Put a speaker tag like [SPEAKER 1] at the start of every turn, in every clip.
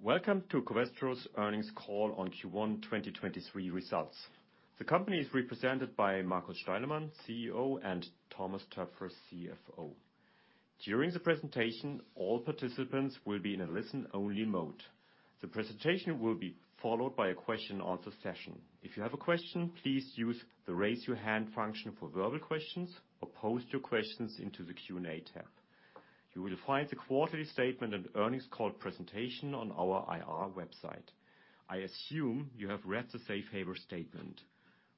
[SPEAKER 1] Welcome to Covestro's earnings call on Q1 2023 results. The company is represented by Markus Steilemann, CEO, and Thomas Toepfer, CFO. During the presentation, all participants will be in a listen-only mode. The presentation will be followed by a question and answer session. If you have a question, please use the Raise Your Hand function for verbal questions or post your questions into the Q&A tab. You will find the quarterly statement and earnings call presentation on our IR website. I assume you have read the safe harbor statement.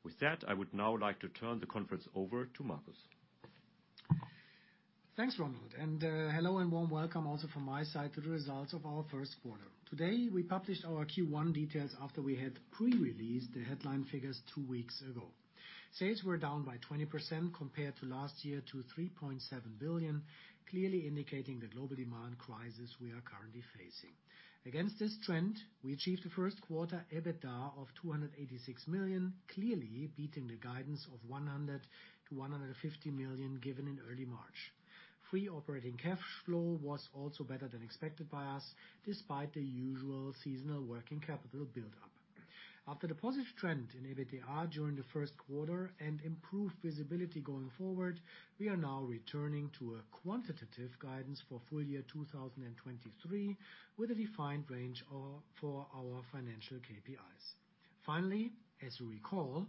[SPEAKER 1] With that, I would now like to turn the conference over to Markus.
[SPEAKER 2] Thanks, Ronald. Hello and warm welcome also from my side to the results of our first quarter. Today, we published our Q1 details after we had pre-released the headline figures two weeks ago. Sales were down by 20% compared to last year to 3.7 billion, clearly indicating the global demand crisis we are currently facing. Against this trend, we achieved the first quarter EBITDA of 286 million, clearly beating the guidance of 100 million-150 million given in early March. Free operating cash flow was also better than expected by us, despite the usual seasonal working capital buildup. After the positive trend in EBITDA during the first quarter and improved visibility going forward, we are now returning to a quantitative guidance for full year 2023 with a defined range for our financial KPIs. As you recall,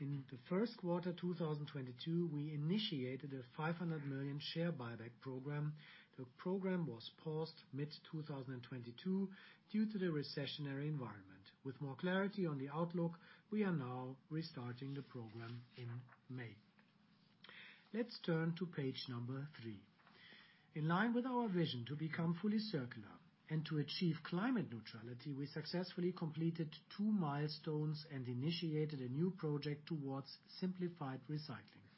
[SPEAKER 2] in the first quarter 2022, we initiated a 500 million share buyback program. The program was paused mid-2022 due to the recessionary environment. With more clarity on the outlook, we are now restarting the program in May. Let's turn to page three. In line with our vision to become fully circular and to achieve climate neutrality, we successfully completed 2 milestones and initiated a new project towards simplified recycling.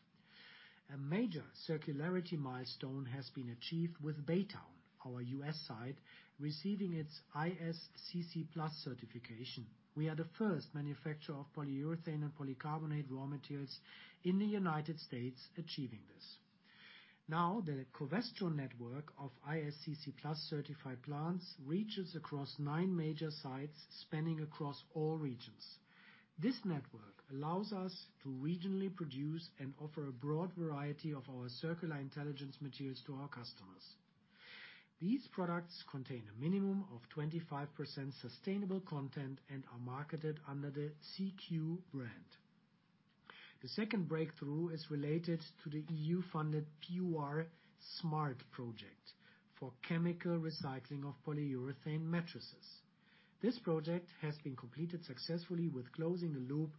[SPEAKER 2] A major circularity milestone has been achieved with Baytown, our U.S. site, receiving its ISCC PLUS certification. We are the first manufacturer of polyurethane and polycarbonate raw materials in the United States achieving this. The Covestro network of ISCC PLUS-certified plants reaches across nine major sites spanning across all regions. This network allows us to regionally produce and offer a broad variety of our Circular Intelligence materials to our customers. These products contain a minimum of 25% sustainable content and are marketed under the CQ brand. The second breakthrough is related to the EU-funded PUReSmart project for chemical recycling of polyurethane mattresses. This project has been completed successfully with closing the loop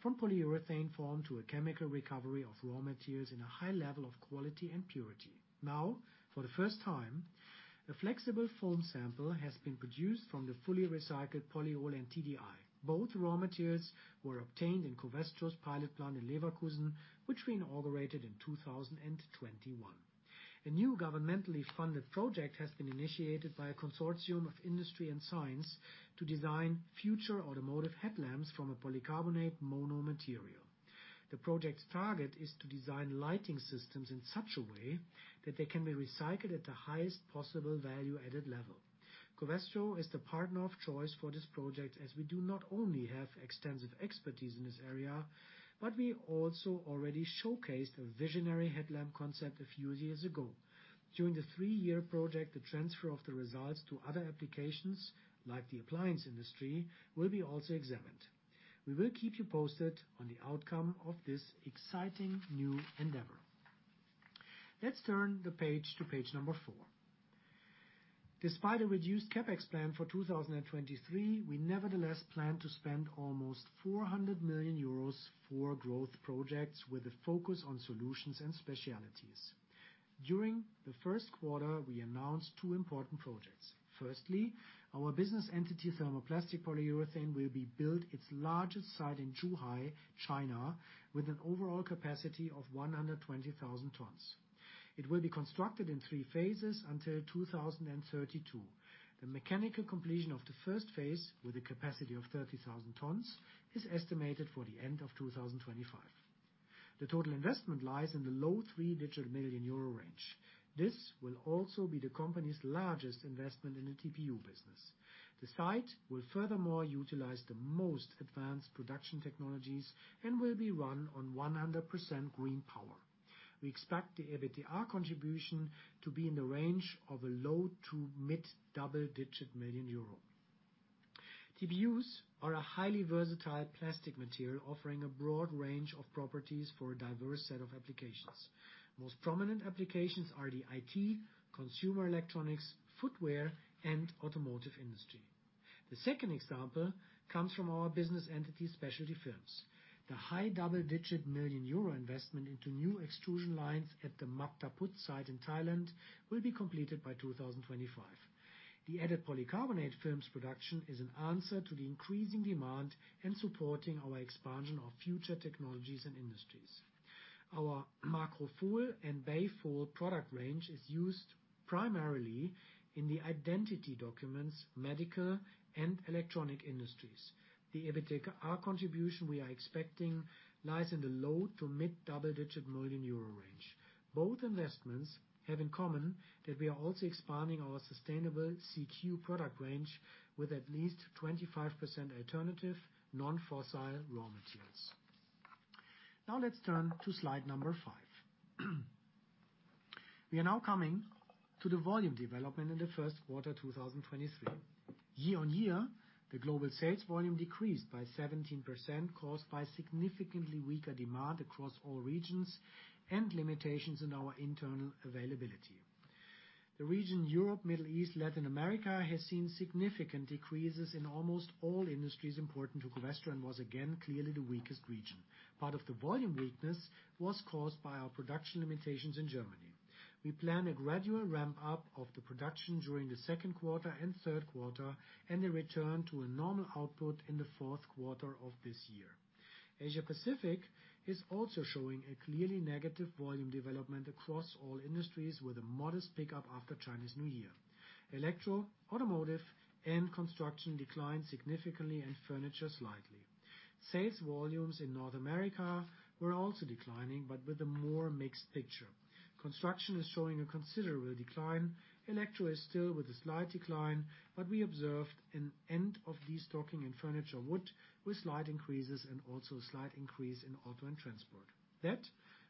[SPEAKER 2] from polyurethane foam to a chemical recovery of raw materials in a high level of quality and purity. For the first time, a flexible foam sample has been produced from the fully recycled polyol and TDI. Both raw materials were obtained in Covestro's pilot plant in Leverkusen, which we inaugurated in 2021. A new governmentally funded project has been initiated by a consortium of industry and science to design future automotive headlamps from a polycarbonate mono material. The project's target is to design lighting systems in such a way that they can be recycled at the highest possible value added level. Covestro is the partner of choice for this project, as we do not only have extensive expertise in this area, but we also already showcased a visionary headlamp concept a few years ago. During the three-year project, the transfer of the results to other applications, like the appliance industry, will be also examined. We will keep you posted on the outcome of this exciting new endeavor. Let's turn the page to page number four. Despite a reduced CapEx plan for 2023, we nevertheless plan to spend almost 400 million euros for growth projects with a focus on Solutions & Specialties. During the first quarter, we announced two important projects. Firstly, our business entity, Thermoplastic Polyurethanes, will be built its largest site in Zhuhai, China, with an overall capacity of 120,000 tons. It will be constructed in three phases until 2032. The mechanical completion of the first phase, with a capacity of 30,000 tons, is estimated for the end of 2025. The total investment lies in the low three-digit million euro range. This will also be the company's largest investment in the TPU business. The site will furthermore utilize the most advanced production technologies and will be run on 100% green power. We expect the EBITDA contribution to be in the range of a low to mid double-digit million euro. TPUs are a highly versatile plastic material offering a broad range of properties for a diverse set of applications. Most prominent applications are the IT, consumer electronics, footwear, and automotive industry. The second example comes from our business entity Specialty Films. The high double-digit euro million investment into new extrusion lines at the Map Ta Phut site in Thailand will be completed by 2025. The added polycarbonate films production is an answer to the increasing demand and supporting our expansion of future technologies and industries. Our Makrofol and Bayfol product range is used primarily in the identity documents, medical, and electronic industries. The EBITDA contribution we are expecting lies in the low to mid double-digit euro million range. Both investments have in common that we are also expanding our sustainable CQ product range with at least 25% alternative non-fossil raw materials. Now let's turn to slide number five. We are now coming to the volume development in the 1st quarter, 2023. Year on year, the global sales volume decreased by 17%, caused by significantly weaker demand across all regions and limitations in our internal availability. The region, Europe, Middle East, Latin America, has seen significant decreases in almost all industries important to Covestro and was again clearly the weakest region. Part of the volume weakness was caused by our production limitations in Germany. We plan a gradual ramp up of the production during the second quarter and third quarter, and a return to a normal output in the fourth quarter of this year. Asia-Pacific is also showing a clearly negative volume development across all industries with a modest pickup after Chinese New Year. Electro, automotive, and construction declined significantly and furniture slightly. Sales volumes in North America were also declining, but with a more mixed picture. Construction is showing a considerable decline. Electro is still with a slight decline. We observed an end of destocking in furniture wood with slight increases and also a slight increase in auto and transport. That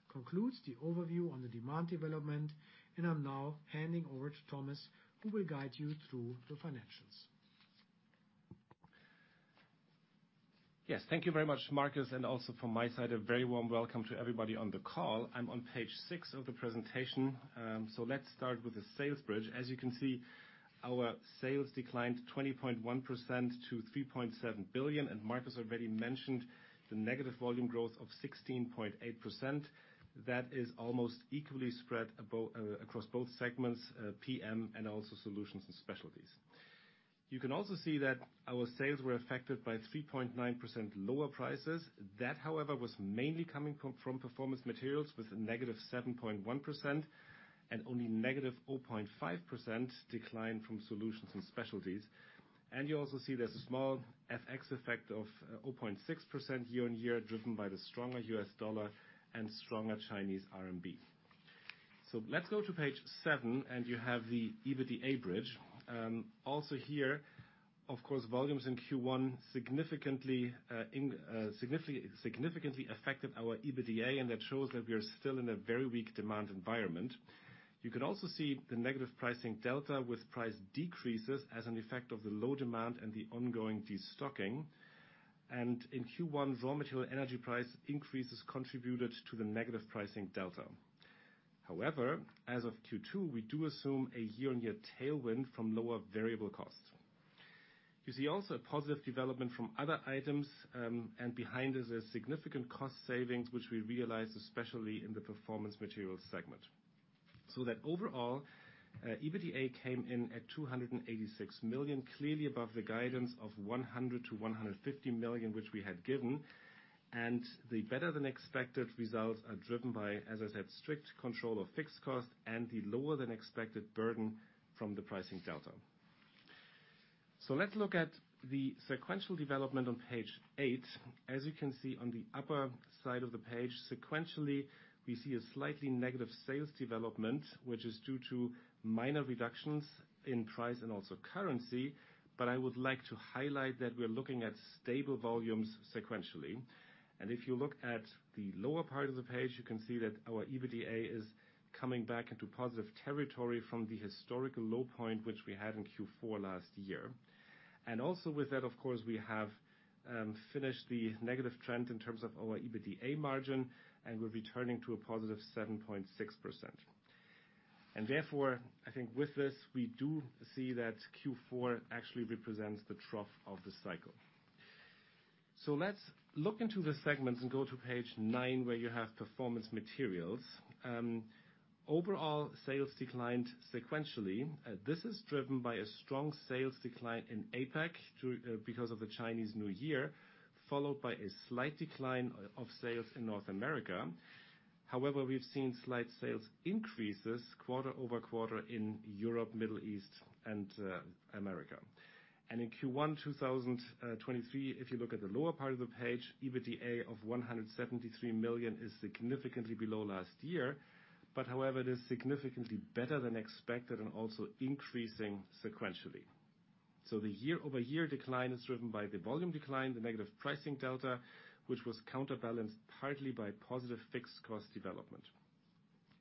[SPEAKER 2] concludes the overview on the demand development. I'm now handing over to Thomas, who will guide you through the financials.
[SPEAKER 3] Thank you very much, Markus, also from my side, a very warm welcome to everybody on the call. I'm on page six of the presentation. Let's start with the sales bridge. As you can see, our sales declined 20.1% to 3.7 billion. Markus already mentioned the negative volume growth of 16.8%. That is almost equally spread across both segments, PM and also Solutions & Specialties. You can also see that our sales were affected by 3.9% lower prices. That, however, was mainly coming from Performance Materials with a -7.1% and only -0.5% decline from Solutions & Specialties. You also see there's a small FX effect of 0.6% year-on-year, driven by the stronger US dollar and stronger Chinese RMB. Let's go to page seven, and you have the EBITDA bridge. Also here, of course, volumes in Q1 significantly affected our EBITDA, and that shows that we are still in a very weak demand environment. You can also see the negative pricing delta with price decreases as an effect of the low demand and the ongoing destocking. In Q1, raw material energy price increases contributed to the negative pricing delta. However, as of Q2, we do assume a year-on-year tailwind from lower variable costs. You see also a positive development from other items, and behind is a significant cost savings, which we realized especially in the Performance Materials segment. That overall EBITDA came in at 286 million, clearly above the guidance of 100 million-150 million, which we had given, and the better than expected results are driven by, as I said, strict control of fixed costs and the lower than expected burden from the pricing delta. Let's look at the sequential development on page eight. As you can see on the upper side of the page, sequentially, we see a slightly negative sales development, which is due to minor reductions in price and also currency, but I would like to highlight that we're looking at stable volumes sequentially. If you look at the lower part of the page, you can see that our EBITDA is coming back into positive territory from the historical low point, which we had in Q4 last year. Of course, we have finished the negative trend in terms of our EBITDA margin. We're returning to a positive 7.6%. I think with this we do see that Q4 actually represents the trough of the cycle. Let's look into the segments and go to page nine, where you have Performance Materials. Overall sales declined sequentially. This is driven by a strong sales decline in APAC because of the Chinese New Year, followed by a slight decline of sales in North America. However, we've seen slight sales increases quarter-over-quarter in Europe, Middle East and America. In Q1 2023, if you look at the lower part of the page, EBITDA of 173 million is significantly below last year. However, it is significantly better than expected and also increasing sequentially. The year-over-year decline is driven by the volume decline, the negative pricing delta, which was counterbalanced partly by positive fixed cost development.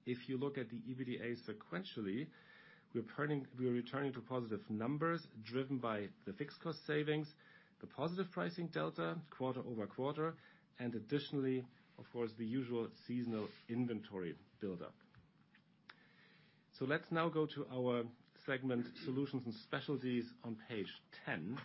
[SPEAKER 3] If you look at the EBITDA sequentially, we're returning to positive numbers driven by the fixed cost savings, the positive pricing delta quarter-over-quarter, and additionally, of course, the usual seasonal inventory buildup. Let's now go to our segment Solutions & Specialties on page 10.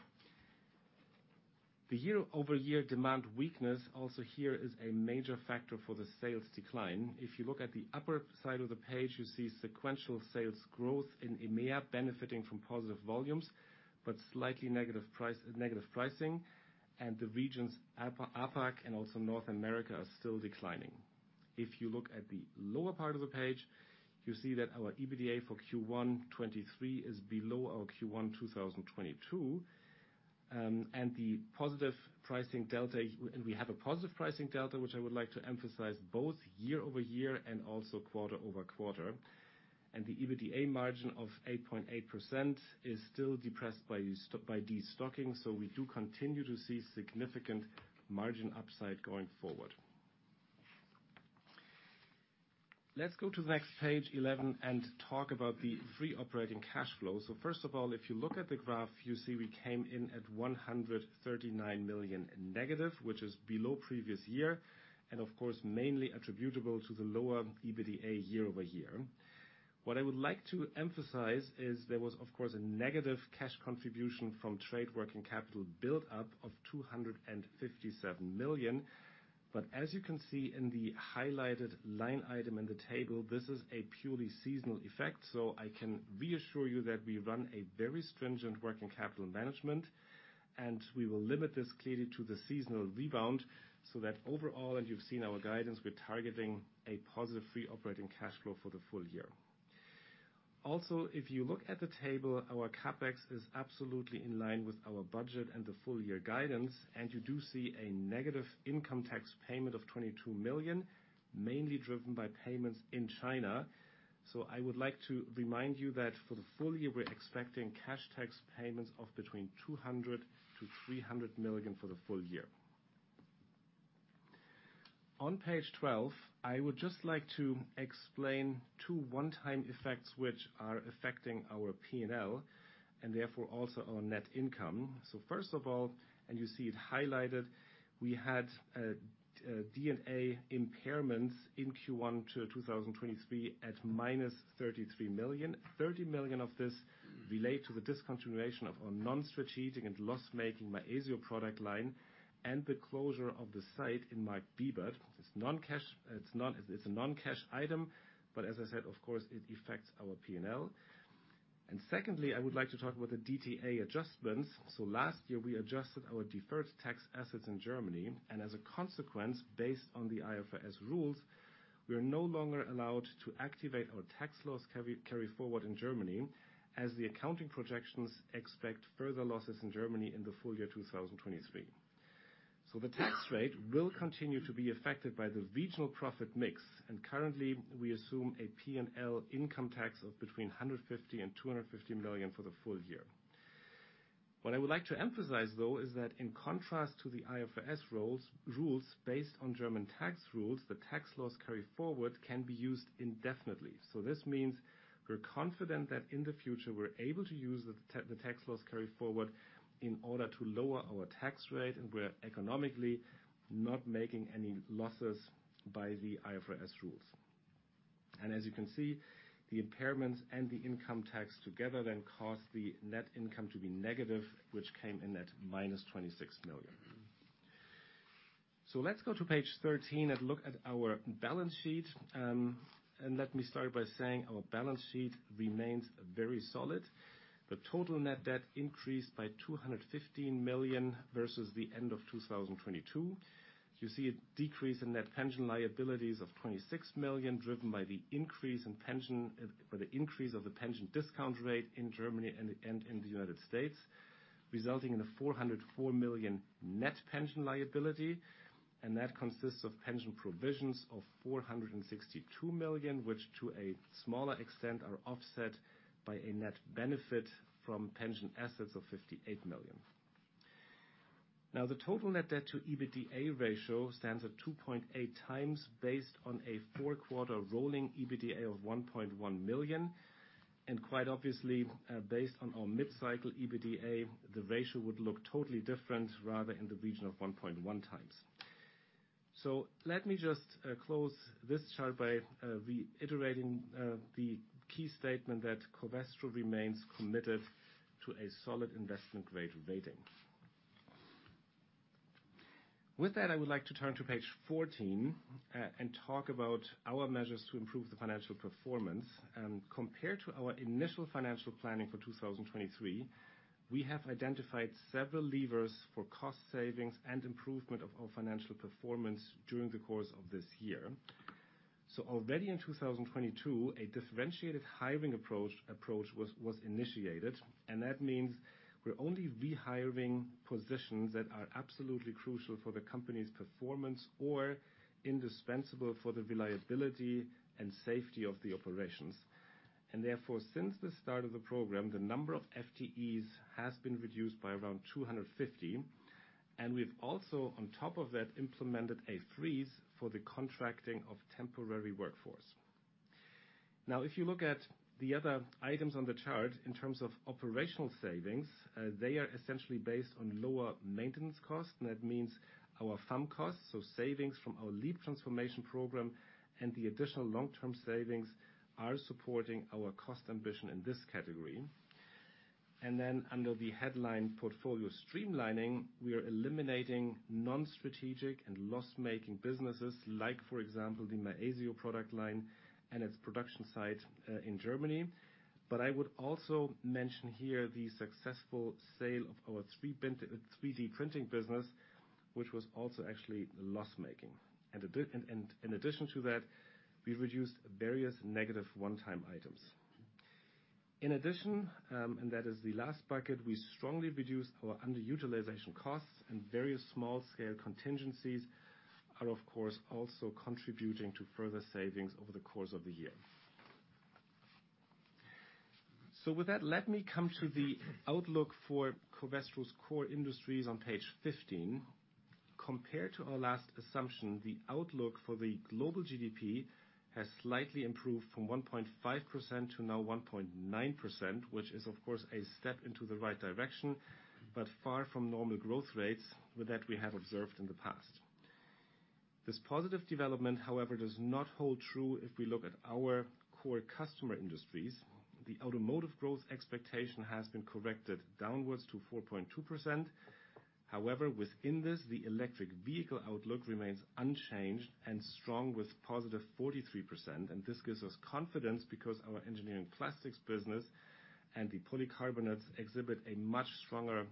[SPEAKER 3] The year-over-year demand weakness also here is a major factor for the sales decline. If you look at the upper side of the page, you see sequential sales growth in EMEA benefiting from positive volumes, slightly negative pricing, and the regions APAC and also North America are still declining. If you look at the lower part of the page, you see that our EBITDA for Q1 2023 is below our Q1 2022. The positive pricing delta. We have a positive pricing delta, which I would like to emphasize both year-over-year and also quarter-over-quarter. The EBITDA margin of 8.8% is still depressed by destocking, so we do continue to see significant margin upside going forward. Let's go to the next page 11 and talk about the free operating cash flow. First of all, if you look at the graph, you see we came in at - 139 million, which is below previous year and, of course, mainly attributable to the lower EBITDA year-over-year. What I would like to emphasize is there was, of course, a negative cash contribution from trade working capital build-up of 257 million. As you can see in the highlighted line item in the table, this is a purely seasonal effect. I can reassure you that we run a very stringent working capital management, and we will limit this clearly to the seasonal rebound so that overall, and you've seen our guidance, we're targeting a positive free operating cash flow for the full year. If you look at the table, our CapEx is absolutely in line with our budget and the full year guidance, and you do see a negative income tax payment of 22 million, mainly driven by payments in China. I would like to remind you that for the full year, we're expecting cash tax payments of between 200 million-300 million for the full year. On page 12, I would just like to explain two one-time effects which are affecting our P&L and therefore also our net income. First of all, and you see it highlighted, we had D&A impairments in Q1 to 2023 at -33 million. 30 million of this relate to the discontinuation of our non-strategic and loss-making Maezio product line and the closure of the site in Markt Bibart. It's non-cash, it's a non-cash item, but as I said, of course, it affects our P&L. Secondly, I would like to talk about the DTA adjustments. Last year, we adjusted our deferred tax assets in Germany, and as a consequence, based on the IFRS rules, we are no longer allowed to activate our tax loss carry forward in Germany as the accounting projections expect further losses in Germany in the full year 2023. The tax rate will continue to be affected by the regional profit mix, and currently, we assume a P&L income tax of between 150 million and 250 million for the full year. What I would like to emphasize, though, is that in contrast to the IFRS rules, based on German tax rules, the tax loss carry forward can be used indefinitely. This means we're confident that in the future, we're able to use the tax loss carry forward in order to lower our tax rate, and we're economically not making any losses by the IFRS rules. As you can see, the impairments and the income tax together then cause the net income to be negative, which came in at -26 million. Let's go to page 13 and look at our balance sheet. Let me start by saying our balance sheet remains very solid. The total net debt increased by 215 million versus the end of 2022. You see a decrease in net pension liabilities of 26 million, driven by the increase in pension, by the increase of the pension discount rate in Germany and in the United States, resulting in a 404 million net pension liability. That consists of pension provisions of 462 million, which to a smaller extent are offset by a net benefit from pension assets of 58 million. The total net debt to EBITDA ratio stands at 2.8x based on a four-quarter rolling EBITDA of 1.1 million. Quite obviously, based on our mid-cycle EBITDA, the ratio would look totally different, rather in the region of 1.1x. Let me just close this chart by reiterating the key statement that Covestro remains committed to a solid investment-grade rating. With that, I would like to turn to page 14 and talk about our measures to improve the financial performance. Compared to our initial financial planning for 2023, we have identified several levers for cost savings and improvement of our financial performance during the course of this year. Already in 2022, a differentiated hiring approach was initiated, and that means we're only rehiring positions that are absolutely crucial for the company's performance or indispensable for the reliability and safety of the operations. Therefore, since the start of the program, the number of FTEs has been reduced by around 250, and we've also, on top of that, implemented a freeze for the contracting of temporary workforce. If you look at the other items on the chart in terms of operational savings, they are essentially based on lower maintenance costs. That means our FAM costs, savings from our LEAP transformation program and the additional long-term savings are supporting our cost ambition in this category. Under the headline portfolio streamlining, we are eliminating non-strategic and loss-making businesses like, for example, the Maezio product line and its production site in Germany. I would also mention here the successful sale of our 3D printing business, which was also actually loss-making. In addition to that, we reduced various negative one-time items. In addition, and that is the last bucket, we strongly reduced our underutilization costs and various small scale contingencies are, of course, also contributing to further savings over the course of the year. With that, let me come to the outlook for Covestro's core industries on page 15. Compared to our last assumption, the outlook for the global GDP has slightly improved from 1.5% to now 1.9%, which is, of course, a step into the right direction, but far from normal growth rates with that we have observed in the past. This positive development, however, does not hold true if we look at our core customer industries. The automotive growth expectation has been corrected downwards to 4.2%. However, within this, the electric vehicle outlook remains unchanged and strong with positive 43%, and this gives us confidence because our engineering plastics business and the polycarbonates exhibit a much stronger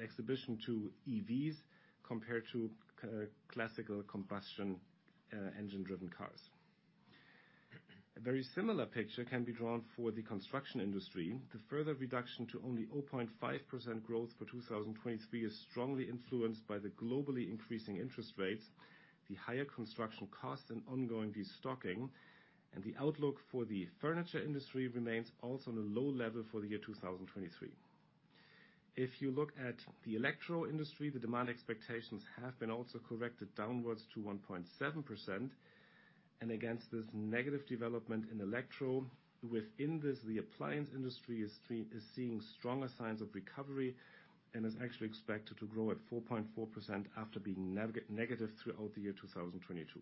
[SPEAKER 3] exhibition to EVs compared to classical combustion engine-driven cars. A very similar picture can be drawn for the construction industry. The further reduction to only 0.5% growth for 2023 is strongly influenced by the globally increasing interest rates, the higher construction costs and ongoing de-stocking. The outlook for the furniture industry remains also on a low level for the year 2023. If you look at the electro industry, the demand expectations have been also corrected downwards to 1.7%. Against this negative development in electro, within this, the appliance industry is seeing stronger signs of recovery and is actually expected to grow at 4.4% after being negative throughout the year 2022.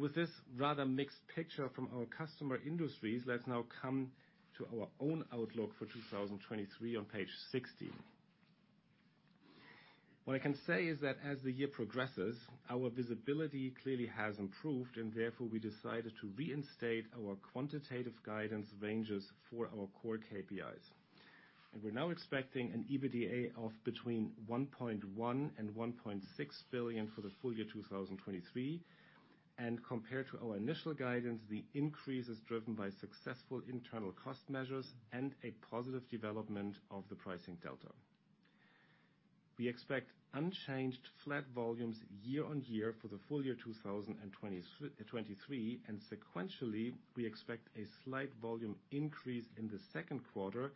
[SPEAKER 3] With this rather mixed picture from our customer industries, let's now come to our own outlook for 2023 on page 16. What I can say is that as the year progresses, our visibility clearly has improved and therefore we decided to reinstate our quantitative guidance ranges for our core KPIs. We're now expecting an EBITDA of between 1.1 billion and 1.6 billion for the full year 2023. Compared to our initial guidance, the increase is driven by successful internal cost measures and a positive development of the pricing delta. We expect unchanged flat volumes year-on-year for the full year 2023, and sequentially, we expect a slight volume increase in the second quarter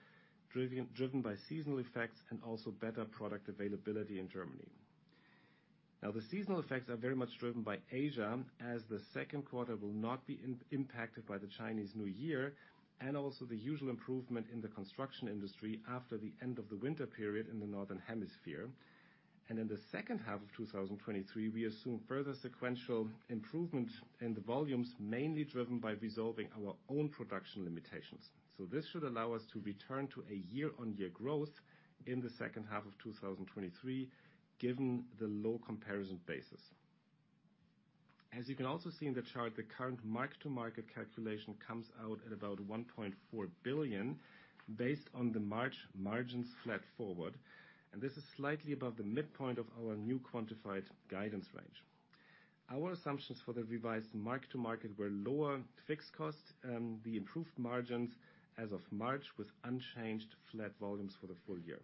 [SPEAKER 3] driven by seasonal effects and also better product availability in Germany. The seasonal effects are very much driven by Asia, as the second quarter will not be impacted by the Chinese New Year, and also the usual improvement in the construction industry after the end of the winter period in the Northern Hemisphere. In the second half of 2023, we assume further sequential improvement in the volumes, mainly driven by resolving our own production limitations. This should allow us to return to a year-on-year growth in the second half of 2023, given the low comparison basis. You can also see in the chart, the current mark-to-market calculation comes out at about 1.4 billion based on the March margins flat forward, and this is slightly above the midpoint of our new quantified guidance range. Our assumptions for the revised mark-to-market were lower fixed costs, the improved margins as of March with unchanged flat volumes for the full year.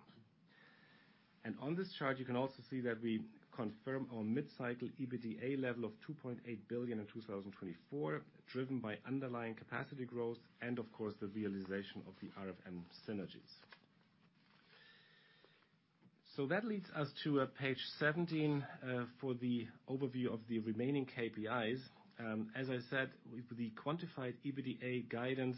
[SPEAKER 3] On this chart, you can also see that we confirm our mid-cycle EBITDA level of 2.8 billion in 2024, driven by underlying capacity growth and of course the realization of the RFM synergies. That leads us to page 17 for the overview of the remaining KPIs. As I said, with the quantified EBITDA guidance,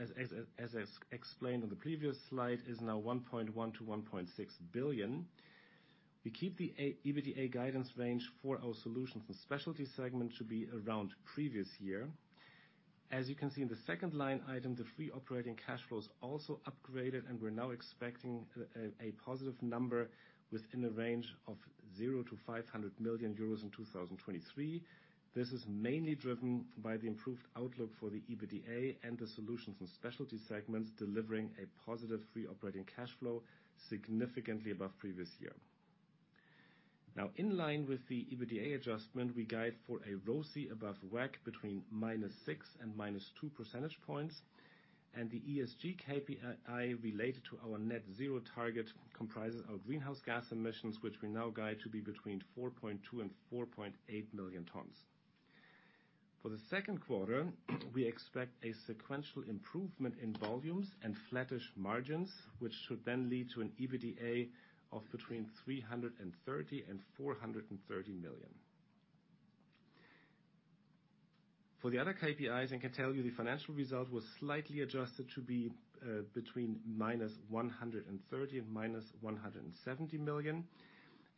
[SPEAKER 3] as explained on the previous slide, is now 1.1 billion-1.6 billion. We keep the EBITDA guidance range for our Solutions & Specialties segment to be around previous year. As you can see in the second line item, the free operating cash flow is also upgraded and we're now expecting a positive number within a range of 0-500 million euros in 2023. This is mainly driven by the improved outlook for the EBITDA and the Solutions & Specialties segments, delivering a positive free operating cash flow significantly above previous year. In line with the EBITDA adjustment, we guide for a ROCE above WACC between -6 and -2 percentage points, and the ESG KPI related to our net zero target comprises our greenhouse gas emissions, which we now guide to be between 4.2 million-4.8 million tons. For the second quarter, we expect a sequential improvement in volumes and flattish margins, which should then lead to an EBITDA of between 330 million-430 million. For the other KPIs, I can tell you the financial result was slightly adjusted to be between -130 million and -170 million,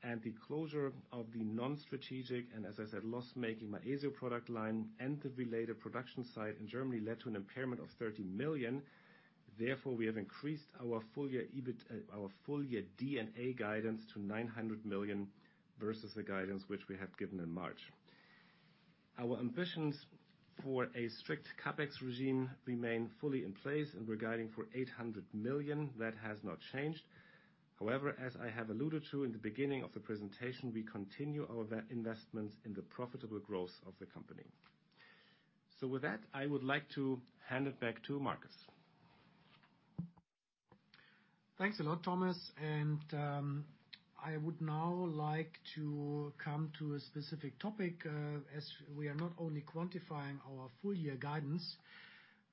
[SPEAKER 3] and the closure of the non-strategic, and as I said, loss-making Maezio product line and the related production site in Germany led to an impairment of 30 million. Therefore, we have increased our full year D&A guidance to 900 million versus the guidance which we have given in March. Our ambitions for a strict CapEx regime remain fully in place, and we're guiding for 800 million. That has not changed. As I have alluded to in the beginning of the presentation, we continue our investments in the profitable growth of the company. With that, I would like to hand it back to Markus.
[SPEAKER 2] Thanks a lot, Thomas. I would now like to come to a specific topic, as we are not only quantifying our full year guidance,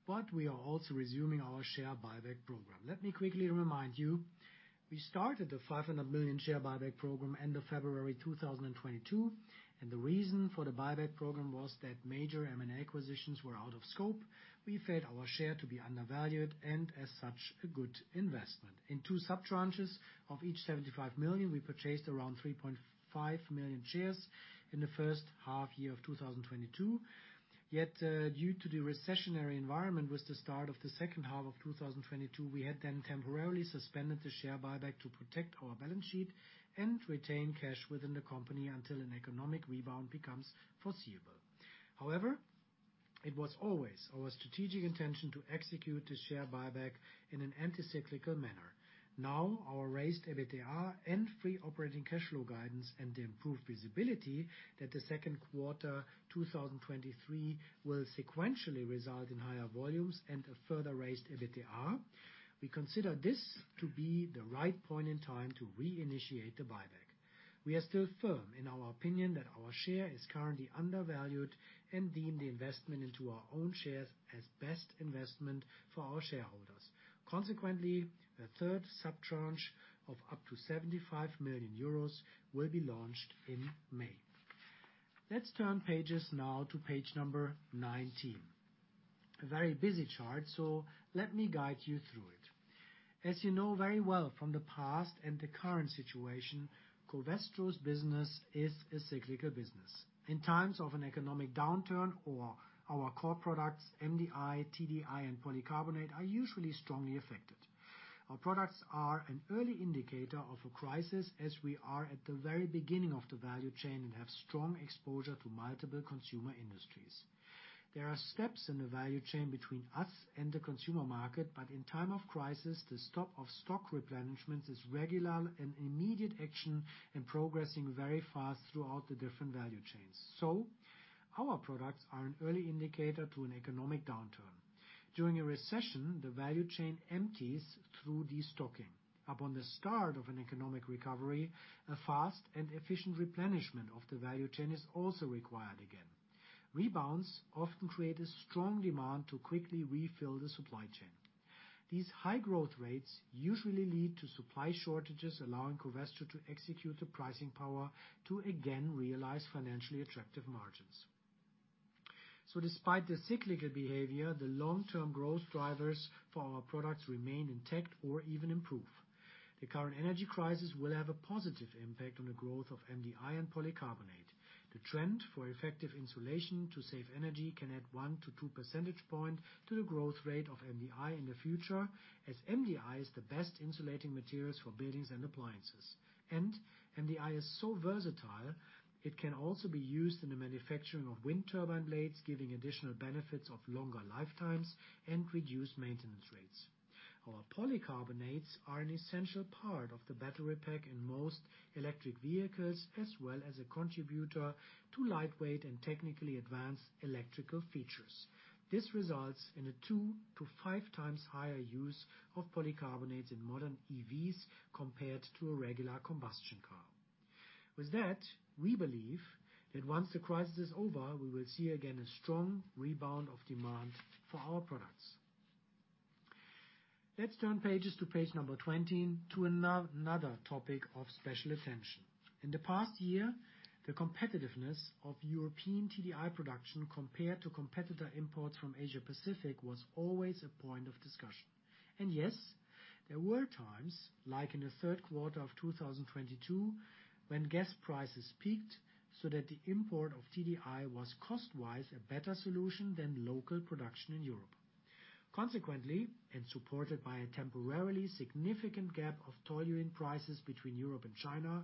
[SPEAKER 2] but we are also resuming our share buyback program. Let me quickly remind you, we started the 500 million share buyback program end of February 2022, and the reason for the buyback program was that major M&A acquisitions were out of scope. We felt our share to be undervalued and as such, a good investment. In two sub-tranches of each 75 million, we purchased around 3.5 million shares in the first half year of 2022. Yet, due to the recessionary environment, with the start of the second half of 2022, we had then temporarily suspended the share buyback to protect our balance sheet and retain cash within the company until an economic rebound becomes foreseeable. However, it was always our strategic intention to execute the share buyback in an anti-cyclical manner. Now our raised EBITDA and free operating cash flow guidance and the improved visibility that the second quarter 2023 will sequentially result in higher volumes and a further raised EBITDA. We consider this to be the right point in time to reinitiate the buyback. We are still firm in our opinion that our share is currently undervalued and deem the investment into our own shares as best investment for our shareholders. Consequently, a third sub-tranche of up to 75 million euros will be launched in May. Let's turn pages now to page number 19. A very busy chart, let me guide you through it. As you know very well from the past and the current situation, Covestro's business is a cyclical business. In times of an economic downturn or our core products, MDI, TDI, and polycarbonate are usually strongly affected. Our products are an early indicator of a crisis as we are at the very beginning of the value chain and have strong exposure to multiple consumer industries. There are steps in the value chain between us and the consumer market, but in time of crisis, the stop of stock replenishment is regular and immediate action in progressing very fast throughout the different value chains. Our products are an early indicator to an economic downturn. During a recession, the value chain empties through de-stocking. Upon the start of an economic recovery, a fast and efficient replenishment of the value chain is also required again. Rebounds often create a strong demand to quickly refill the supply chain. These high growth rates usually lead to supply shortages, allowing Covestro to execute the pricing power to again realize financially attractive margins. Despite the cyclical behavior, the long-term growth drivers for our products remain intact or even improve. The current energy crisis will have a positive impact on the growth of MDI and polycarbonate. The trend for effective insulation to save energy can add 1 to 2 percentage point to the growth rate of MDI in the future, as MDI is the best insulating materials for buildings and appliances. MDI is so versatile, it can also be used in the manufacturing of wind turbine blades, giving additional benefits of longer lifetimes and reduced maintenance rates. Our polycarbonates are an essential part of the battery pack in most electric vehicles, as well as a contributor to lightweight and technically advanced electrical features. This results in a 2x-5x higher use of polycarbonates in modern EVs compared to a regular combustion car. With that, we believe that once the crisis is over, we will see again a strong rebound of demand for our products. Let's turn pages to page number 20 to another topic of special attention. In the past year, the competitiveness of European TDI production compared to competitor imports from Asia-Pacific was always a point of discussion. Yes, there were times, like in the third quarter of 2022, when gas prices peaked so that the import of TDI was cost-wise a better solution than local production in Europe. Consequently, supported by a temporarily significant gap of toluene prices between Europe and China,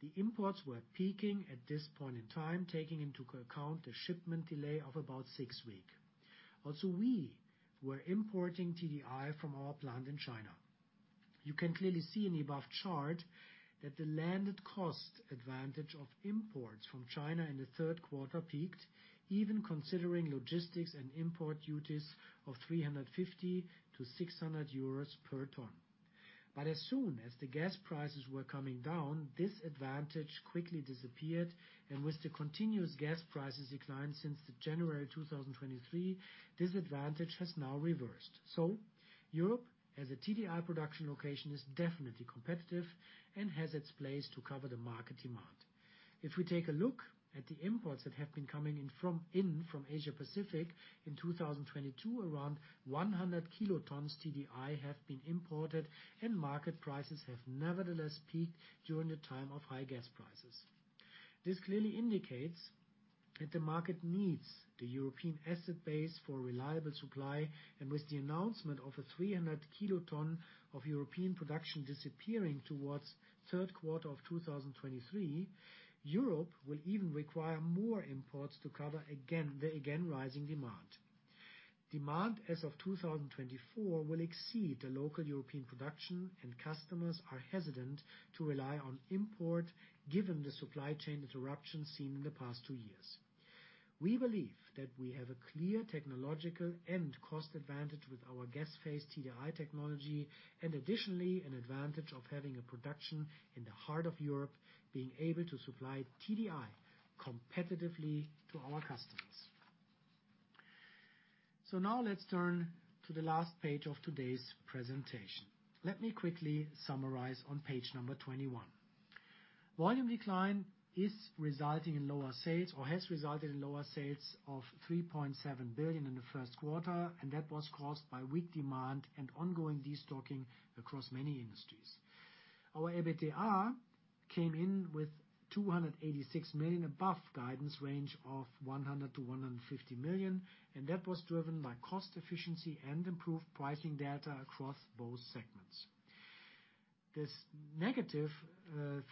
[SPEAKER 2] the imports were peaking at this point in time, taking into account the shipment delay of about six weeks. We were importing TDI from our plant in China. You can clearly see in the above chart that the landed cost advantage of imports from China in the third quarter peaked, even considering logistics and import duties of 350-600 euros per ton. As soon as the gas prices were coming down, this advantage quickly disappeared, and with the continuous gas prices decline since January 2023, this advantage has now reversed. Europe, as a TDI production location, is definitely competitive and has its place to cover the market demand. If we take a look at the imports that have been coming in from Asia-Pacific in 2022, around 100 kilotons TDI have been imported. Market prices have nevertheless peaked during the time of high gas prices. This clearly indicates that the market needs the European asset base for reliable supply. With the announcement of a 300 kiloton of European production disappearing towards third quarter of 2023, Europe will even require more imports to cover, again, the rising demand. Demand as of 2024 will exceed the local European production. Customers are hesitant to rely on import given the supply chain interruptions seen in the past two years. We believe that we have a clear technological and cost advantage with our gas phase TDI technology and additionally an advantage of having a production in the heart of Europe being able to supply TDI competitively to our customers. Now let's turn to the last page of today's presentation. Let me quickly summarize on page number 21. Volume decline is resulting in lower sales or has resulted in lower sales of 3.7 billion in the first quarter, that was caused by weak demand and ongoing destocking across many industries. Our EBITDA came in with 286 million above guidance range of 100 million-150 million, that was driven by cost efficiency and improved pricing data across both segments. This negative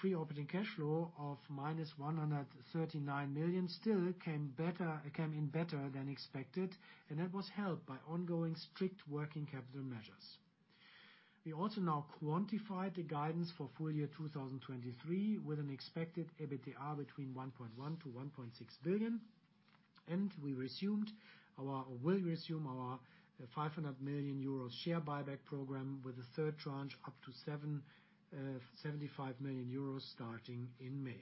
[SPEAKER 2] free operating cash flow of minus 139 million still came better, came in better than expected. That was helped by ongoing strict working capital measures. We also now quantified the guidance for full year 2023 with an expected EBITDA between 1.1 billion-1.6 billion. We resumed our or will resume our 500 million euros share buyback program with a third tranche up to 75 million euros starting in May.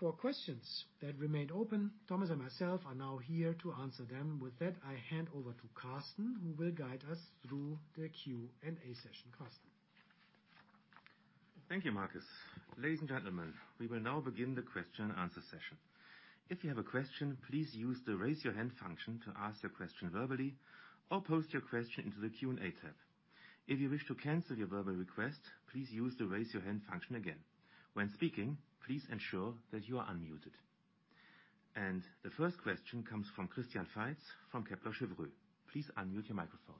[SPEAKER 2] For questions that remained open, Thomas and myself are now here to answer them. With that, I hand over to Carsten, who will guide us through the Q&A session. Carsten.
[SPEAKER 4] Thank you, Marcus. Ladies and gentlemen, we will now begin the question and answer session. If you have a question, please use the Raise Your Hand function to ask your question verbally or post your question into the Q&A tab. If you wish to cancel your verbal request, please use the Raise Your Hand function again. When speaking, please ensure that you are unmuted. The first question comes from Christian Faitz from Kepler Cheuvreux. Please unmute your microphone.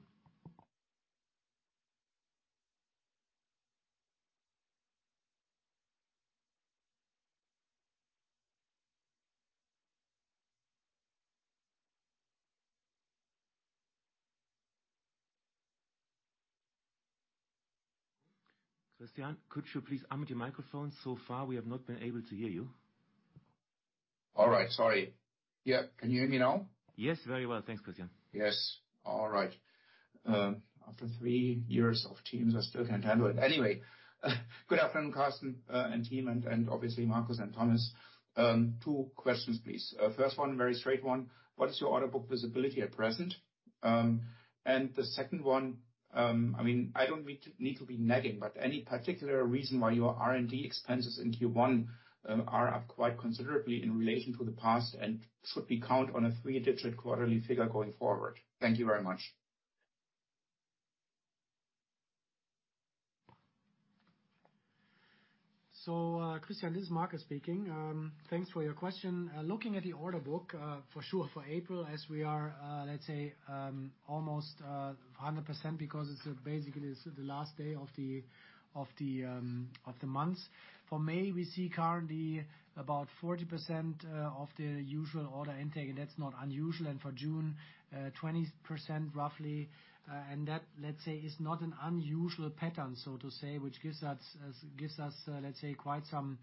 [SPEAKER 4] Christian, could you please unmute your microphone? So far, we have not been able to hear you.
[SPEAKER 5] All right. Sorry. Yeah. Can you hear me now?
[SPEAKER 4] Yes, very well. Thanks, Christian.
[SPEAKER 5] Yes. All right. After three years of Teams, I still can't handle it. Anyway, good afternoon, Carsten, and team and obviously Markus and Thomas. two questions, please. First one, very straight one, what is your order book visibility at present? The second one, I mean, I don't need to be nagging, but any particular reason why your R&D expenses in Q1 are up quite considerably in relation to the past, and should we count on a 3-digit quarterly figure going forward? Thank you very much.
[SPEAKER 2] Christian, this is Markus speaking. Thanks for your question. Looking at the order book, for sure for April as we are, let's say, almost 100% because it's basically the last day of the month. For May, we see currently about 40% of the usual order intake, and that's not unusual. For June, 20% roughly. That, let's say, is not an unusual pattern, so to say, which gives us, let's say, quite some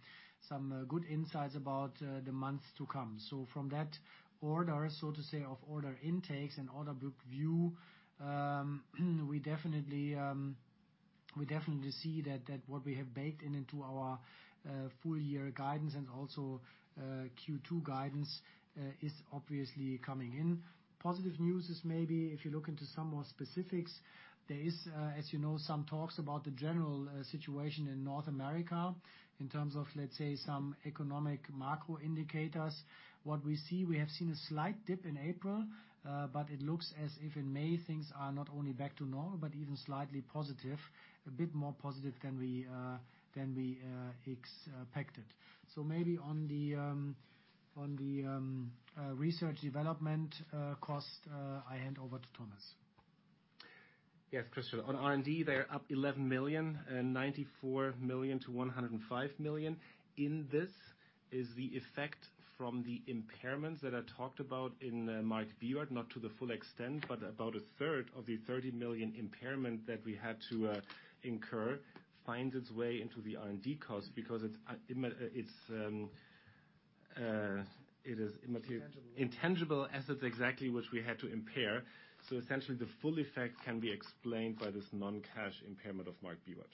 [SPEAKER 2] good insights about the months to come. From that order, so to say, of order intakes and order book view, we definitely see that what we have baked into our full year guidance and also Q2 guidance, is obviously coming in. Positive news is maybe if you look into some more specifics, there is, as you know, some talks about the general situation in North America in terms of, let's say, some economic macro indicators. What we see, we have seen a slight dip in April, but it looks as if in May things are not only back to normal, but even slightly positive, a bit more positive than we expected. Maybe on the research development cost, I hand over to Thomas.
[SPEAKER 3] Yes, Christian. On R&D, they are up 11 million and 94 million to 105 million. This is the effect from the impairments that I talked about in Markt Bibart, not to the full extent, but about a third of the 30 million impairment that we had to incur finds its way into the R&D cost.
[SPEAKER 2] Intangible.
[SPEAKER 3] Intangible assets exactly which we had to impair. Essentially the full effect can be explained by this non-cash impairment of Markt Bibart.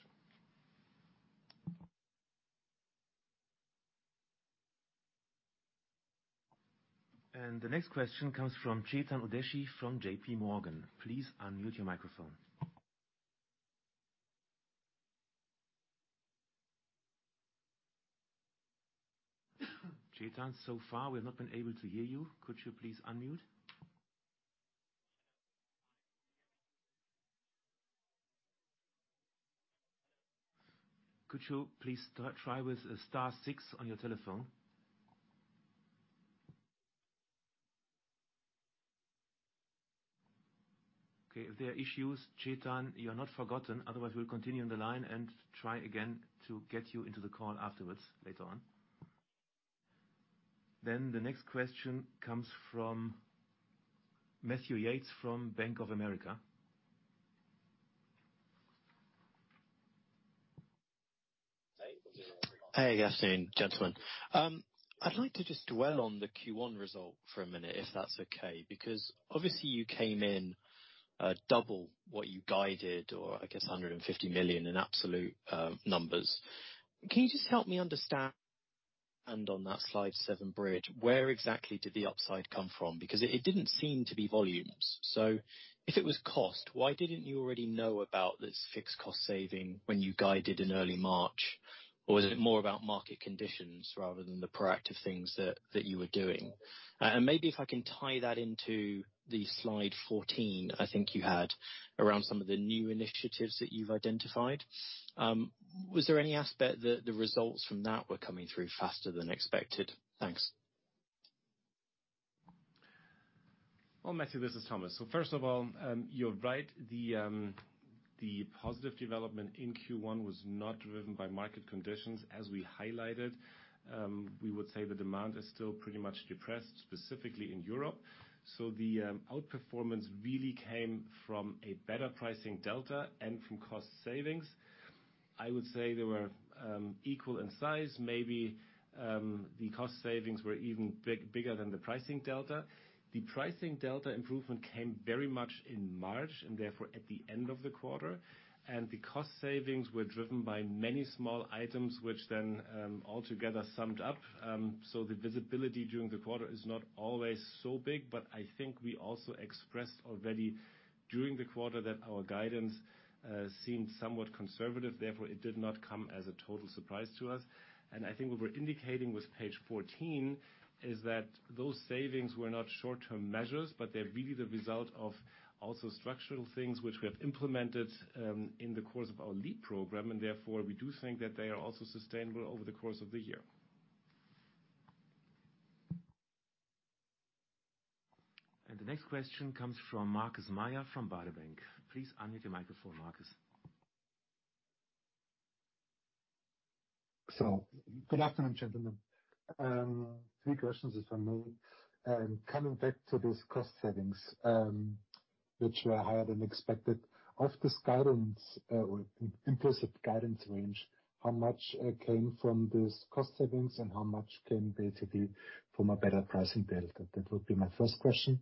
[SPEAKER 4] The next question comes from Chetan Udeshi from JPMorgan. Please unmute your microphone. Chetan, so far we have not been able to hear you. Could you please unmute? Could you please try with star six on your telephone? Okay. If there are issues, Chetan, you are not forgotten. Otherwise, we'll continue on the line and try again to get you into the call afterwards, later on. The next question comes from Matthew Yates from Bank of America.
[SPEAKER 6] Hey. Good afternoon, gentlemen. I'd like to just dwell on the Q1 result for a minute, if that's okay, because obviously you came in double what you guided, or I guess 150 million in absolute numbers. Can you just help me understand on that Slide seven bridge, where exactly did the upside come from? It didn't seem to be volumes. If it was cost, why didn't you already know about this fixed cost saving when you guided in early March? Was it more about market conditions rather than the proactive things that you were doing? Maybe if I can tie that into the Slide 14, I think you had around some of the new initiatives that you've identified. Was there any aspect that the results from that were coming through faster than expected? Thanks.
[SPEAKER 3] Well, Matthew, this is Thomas. First of all, you're right. The positive development in Q1 was not driven by market conditions, as we highlighted. We would say the demand is still pretty much depressed, specifically in Europe. The outperformance really came from a better pricing delta and from cost savings. I would say they were equal in size. Maybe, the cost savings were even bigger than the pricing delta. The pricing delta improvement came very much in March, and therefore at the end of the quarter. The cost savings were driven by many small items, which then, all together summed up. The visibility during the quarter is not always so big, but I think we also expressed already during the quarter that our guidance seemed somewhat conservative, therefore it did not come as a total surprise to us. I think what we're indicating with page 14 is that those savings were not short-term measures, but they're really the result of also structural things which we have implemented in the course of our LEAP program, and therefore we do think that they are also sustainable over the course of the year.
[SPEAKER 4] The next question comes from Markus Mayer from Baader Bank. Please unmute your microphone, Markus.
[SPEAKER 7] Good afternoon, gentlemen. Three questions is from me. Coming back to these cost savings, which were higher than expected. Of this guidance, or implicit guidance range, how much came from this cost savings and how much came basically from a better pricing delta? That would be my first question.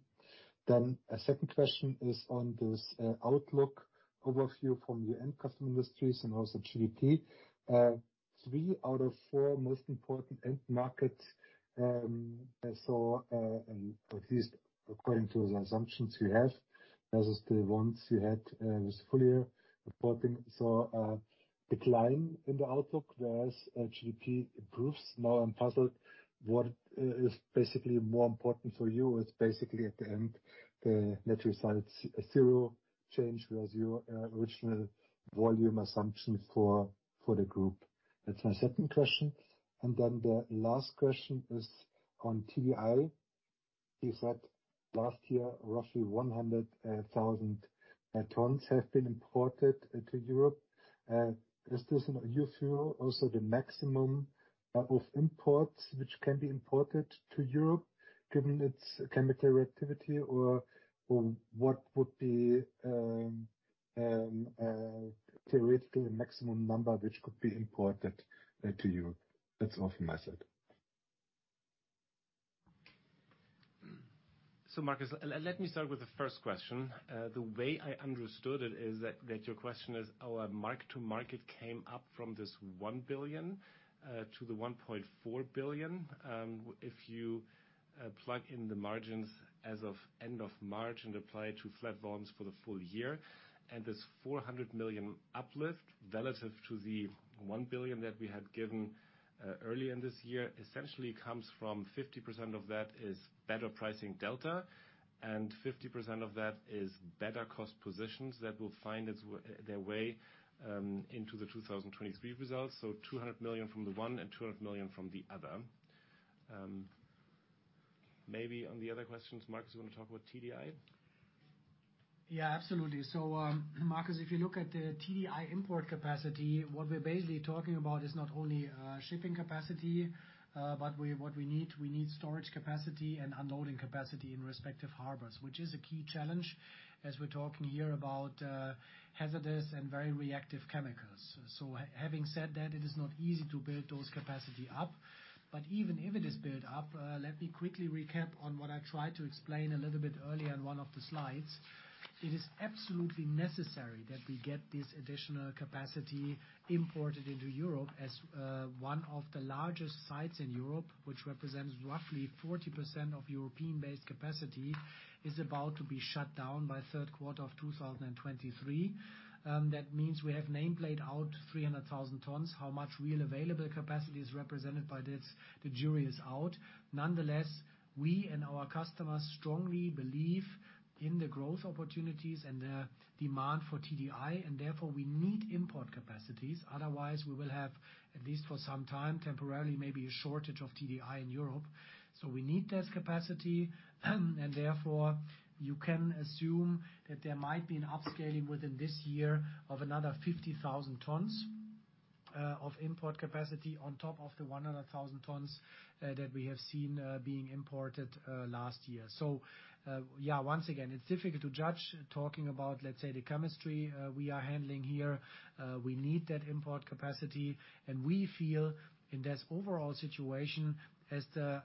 [SPEAKER 7] A second question is on this outlook overview from your end customer industries and also GDP. 3 out of 4 most important end markets, I saw, at least according to the assumptions you have, versus the ones you had, this full year reporting, saw a decline in the outlook, whereas GDP improves. I'm puzzled what is basically more important for you is basically at the end, the net result zero change was your original volume assumption for the group. That's my second question. The last question is on TDI. You said last year, roughly 100,000 tons have been imported into Europe. Is this you feel also the maximum of imports which can be imported to Europe given its chemical reactivity or what would be theoretically maximum number which could be imported to you? That's all from my side.
[SPEAKER 3] Markus, let me start with the first question. The way I understood it is that your question is our mark-to-market came up from this 1 billion to the 1.4 billion. If you plug in the margins as of end of March and apply it to flat volumes for the full year, and this 400 million uplift relative to the 1 billion that we had given earlier in this year, essentially comes from 50% of that is better pricing delta, and 50% of that is better cost positions that will find their way into the 2023 results. 200 million from the one and 200 million from the other. Maybe on the other questions, Markus, you want to talk about TDI?
[SPEAKER 2] Yeah, absolutely. Markus, if you look at the TDI import capacity, what we're basically talking about is not only shipping capacity, but we need storage capacity and unloading capacity in respective harbors, which is a key challenge as we're talking here about hazardous and very reactive chemicals. Having said that, it is not easy to build those capacity up. Even if it is built up, let me quickly recap on what I tried to explain a little bit earlier in one of the slides. It is absolutely necessary that we get this additional capacity imported into Europe as one of the largest sites in Europe, which represents roughly 40% of European-based capacity, is about to be shut down by third quarter of 2023. That means we have nameplate out 300,000 tons. How much real available capacity is represented by this? The jury is out. Nonetheless, we and our customers strongly believe in the growth opportdunities and the demand for TDI, and therefore we need import capacities. Otherwise, we will have, at least for some time, temporarily maybe a shortage of TDI in Europe. We need this capacity, and therefore you can assume that there might be an upscaling within this year of another 50,000 tons of import capacity on top of the 100,000 tons that we have seen being imported last year. Yeah, once again, it's difficult to judge. Talking about, let's say, the chemistry we are handling here. We need that import capacity. We feel in this overall situation as the,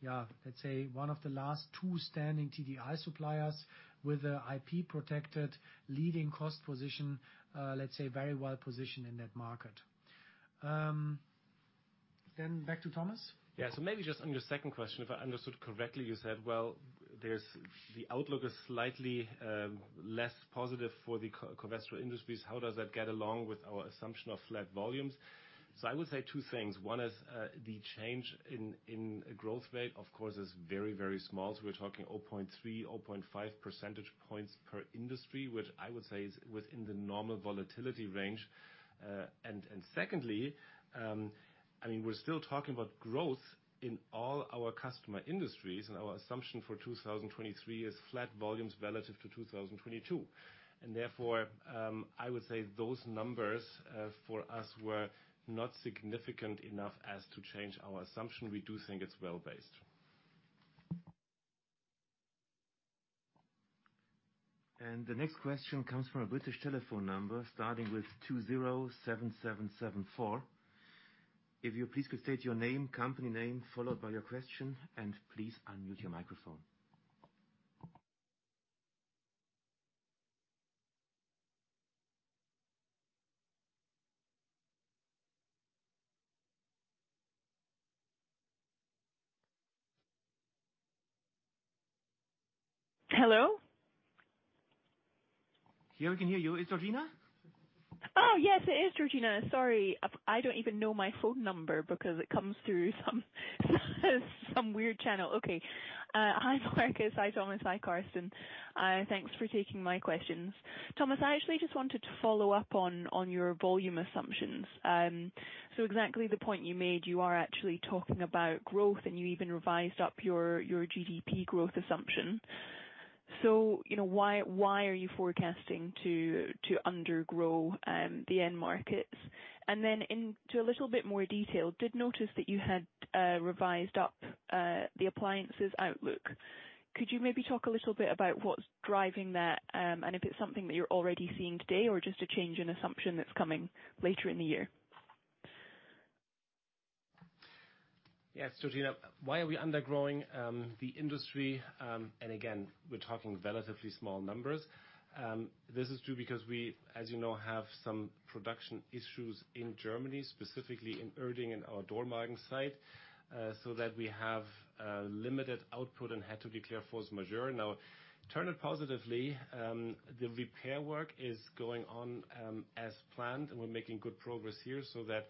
[SPEAKER 2] yeah, let's say one of the last two standing TDI suppliers with a IP protected leading cost position, let's say very well positioned in that market. Back to Thomas.
[SPEAKER 3] Yeah. Maybe just on your second question, if I understood correctly, you said, well, the outlook is slightly less positive for the chemical industries. How does that get along with our assumption of flat volumes? I would say two things. One is, the change in growth rate, of course, is very, very small. We're talking 0.3, 0.5 percentage points per industry, which I would say is within the normal volatility range. And secondly, I mean, we're still talking about growth in all our customer industries, and our assumption for 2023 is flat volumes relative to 2022. Therefore, I would say those numbers for us were not significant enough as to change our assumption. We do think it's well-based.
[SPEAKER 4] The next question comes from a British telephone number, starting with 2077774. If you please could state your name, company name, followed by your question, and please unmute your microphone.
[SPEAKER 8] Hello.
[SPEAKER 4] Yeah, we can hear you. It's Georgina?
[SPEAKER 8] Yes. It is Georgina. Sorry, I don't even know my phone number because it comes through some weird channel. Okay. Hi, Markus. Hi, Thomas. Hi, Carsten. Thanks for taking my questions. Thomas, I actually just wanted to follow up on your volume assumptions. Exactly the point you made, you are actually talking about growth, and you even revised up your GDP growth assumption. You know, why are you forecasting to undergrow the end markets? Then into a little bit more detail, did notice that you had revised up the appliances outlook. Could you maybe talk a little bit about what's driving that, and if it's something that you're already seeing today or just a change in assumption that's coming later in the year?
[SPEAKER 3] Yes, Georgina. Why are we undergrowing the industry? Again, we're talking relatively small numbers. This is true because we, as you know, have some production issues in Germany, specifically in Dormagen in our Dormagen site, so that we have limited output and had to declare force majeure. Now, turn it positively, the repair work is going on as planned, and we're making good progress here so that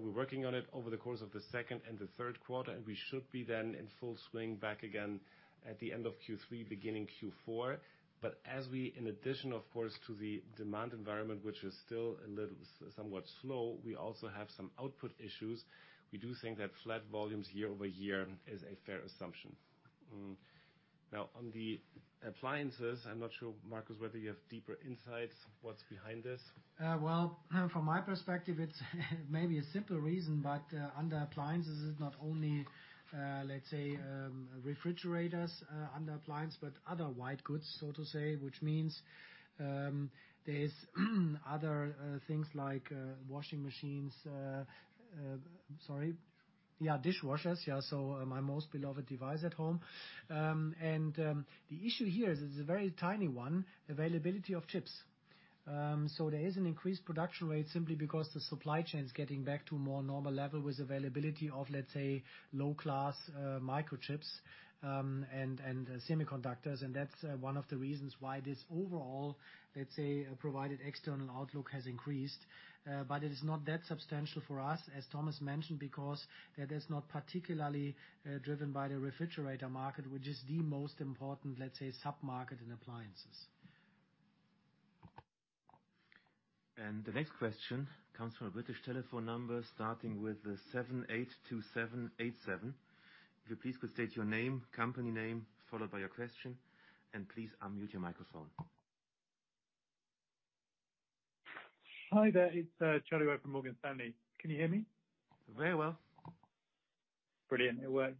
[SPEAKER 3] we're working on it over the course of the second and the third quarter, and we should be then in full swing back again at the end of Q3, beginning Q4. As we in addition, of course, to the demand environment, which is still a little somewhat slow, we also have some output issues. We do think that flat volumes year-over-year is a fair assumption. On the appliances, I'm not sure, Markus, whether you have deeper insights what's behind this.
[SPEAKER 2] Well, from my perspective, it's maybe a simple reason. Under appliances is not only, let's say, refrigerators, under appliances, but other white goods, so to say, which means, there's other things like washing machines. Sorry. Yeah, dishwashers. Yeah, so my most beloved device at home. The issue here is a very tiny one, availability of chips. There is an increased production rate simply because the supply chain is getting back to a more normal level with availability of, let's say, low class microchips and semiconductors. That's one of the reasons why this overall, let's say, provided external outlook has increased, but it is not that substantial for us, as Thomas mentioned, because that is not particularly driven by the refrigerator market, which is the most important, let's say, sub-market in appliances.
[SPEAKER 4] The next question comes from a British telephone number starting with the 782787. If you please could state your name, company name followed by your question, and please unmute your microphone.
[SPEAKER 9] Hi there. It's Charlie Webb from Morgan Stanley. Can you hear me?
[SPEAKER 4] Very well.
[SPEAKER 9] Brilliant. It worked.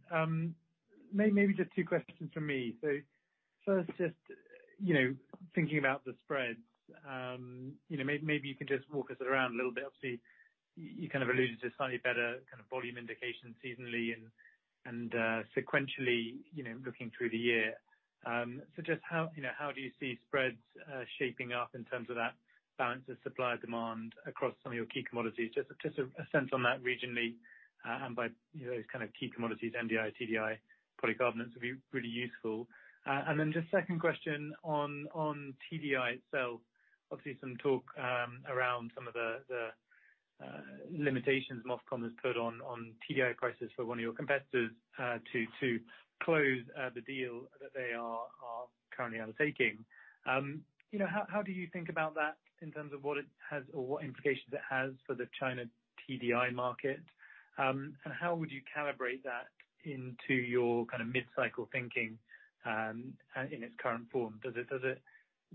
[SPEAKER 9] maybe just two questions from me. First just, you know, thinking about the spreads, you know, maybe you can just walk us around a little bit. Obviously, you kind of alluded to slightly better kind of volume indication seasonally and sequentially, you know, looking through the year. just how, you know, how do you see spreads shaping up in terms of that balance of supply demand across some of your key commodities? Just a sense on that regionally, and by, you know, those kind of key commodities, MDI, TDI, polycarbonates would be really useful. Then just second question on TDI itself. Obviously some talk around some of the limitations MOFCOM has put on TDI crisis for one of your competitors to close the deal that they are currently undertaking. You know, how do you think about that in terms of what it has or what implications it has for the China TDI market? How would you calibrate that into your kind of mid-cycle thinking in its current form? Does it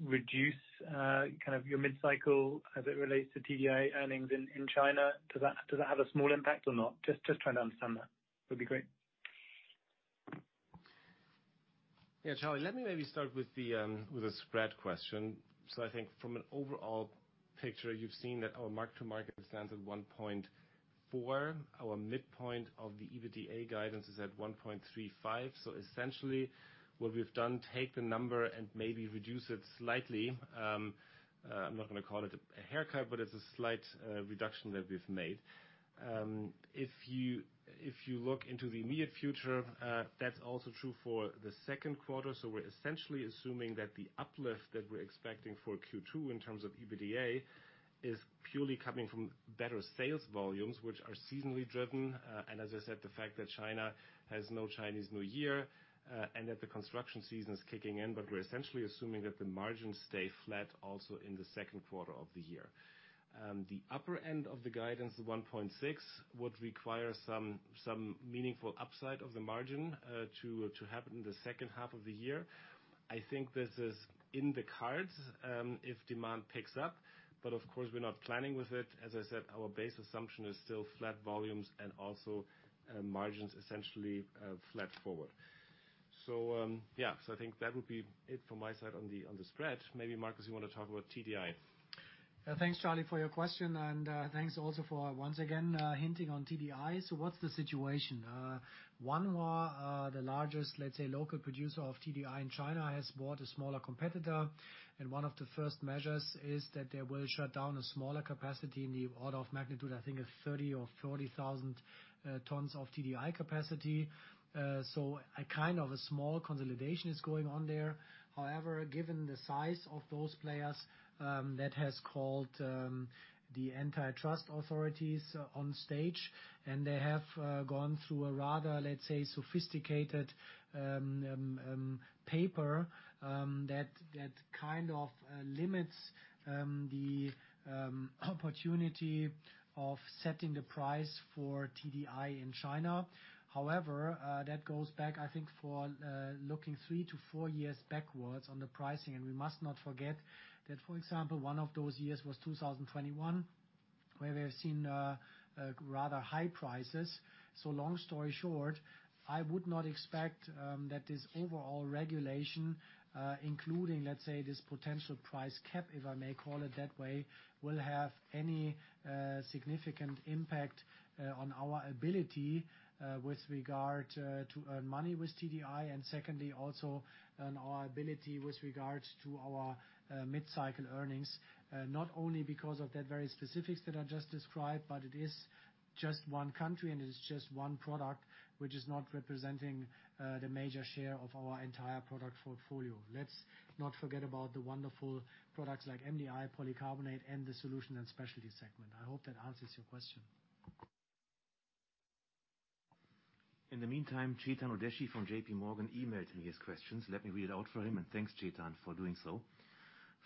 [SPEAKER 9] reduce kind of your mid-cycle as it relates to TDI earnings in China? Does that have a small impact or not? Just trying to understand that would be great.
[SPEAKER 3] Yeah, Charlie, let me maybe start with the spread question. I think from an overall picture, you've seen that our mark-to-market stands at 1.4 million. Our midpoint of the EBITDA guidance is at 1.35 million. Essentially, what we've done, take the number and maybe reduce it slightly. I'm not gonna call it a haircut, but it's a slight reduction that we've made. If you look into the immediate future, that's also true for the second quarter. We're essentially assuming that the uplift that we're expecting for Q2 in terms of EBITDA is purely coming from better sales volumes, which are seasonally driven. As I said, the fact that China has no Chinese New Year, and that the construction season is kicking in, but we're essentially assuming that the margins stay flat also in the second quarter of the year. The upper end of the guidance, the 1.6 million, would require some meaningful upside of the margin, to happen in the second half of the year. I think this is in the cards, if demand picks up. Of course, we're not planning with it. As I said, our base assumption is still flat volumes and also, margins essentially, flat forward. I think that would be it from my side on the spread. Maybe Markus, you wanna talk about TDI?
[SPEAKER 2] Thanks, Charlie, for your question and thanks also for once again hinting on TDI. What's the situation? One more, the largest, let's say, local producer of TDI in China has bought a smaller competitor, and one of the first measures is that they will shut down a smaller capacity in the order of magnitude, I think a 30,000 tons or 40,000 tons of TDI capacity. A kind of a small consolidation is going on there. However, given the size of those players, that has called the antitrust authorities on stage, and they have gone through a rather, let's say, sophisticated paper that kind of limits the opportunity of setting the price for TDI in China. However, that goes back, I think, for looking three to four years backwards on the pricing. We must not forget that, for example, one of those years was 2021, where we have seen rather high prices. Long story short, I would not expect that this overall regulation, including, let's say, this potential price cap, if I may call it that way, will have any significant impact on our ability with regard to earn money with TDI. Secondly, also on our ability with regards to our mid-cycle earnings. Not only because of the very specifics that I just described, but it is just one country and it is just one product which is not representing the major share of our entire product portfolio. Let's not forget about the wonderful products like MDI, polycarbonate, and the Solutions & Specialties segment. I hope that answers your question.
[SPEAKER 4] In the meantime, Chetan Udeshi from JPMorgan emailed me his questions. Let me read it out for him, thanks, Chetan, for doing so.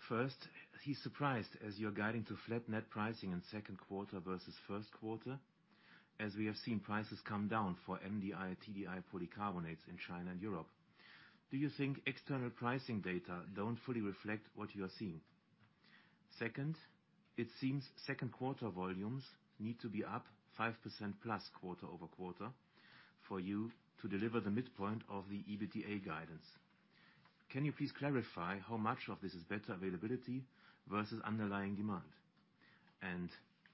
[SPEAKER 4] First, he's surprised as you're guiding to flat net pricing in second quarter versus first quarter, as we have seen prices come down for MDI, TDI, polycarbonates in China and Europe. Do you think external pricing data don't fully reflect what you are seeing? Second, it seems second quarter volumes need to be up 5%+ quarter-over-quarter for you to deliver the midpoint of the EBITDA guidance. Can you please clarify how much of this is better availability versus underlying demand?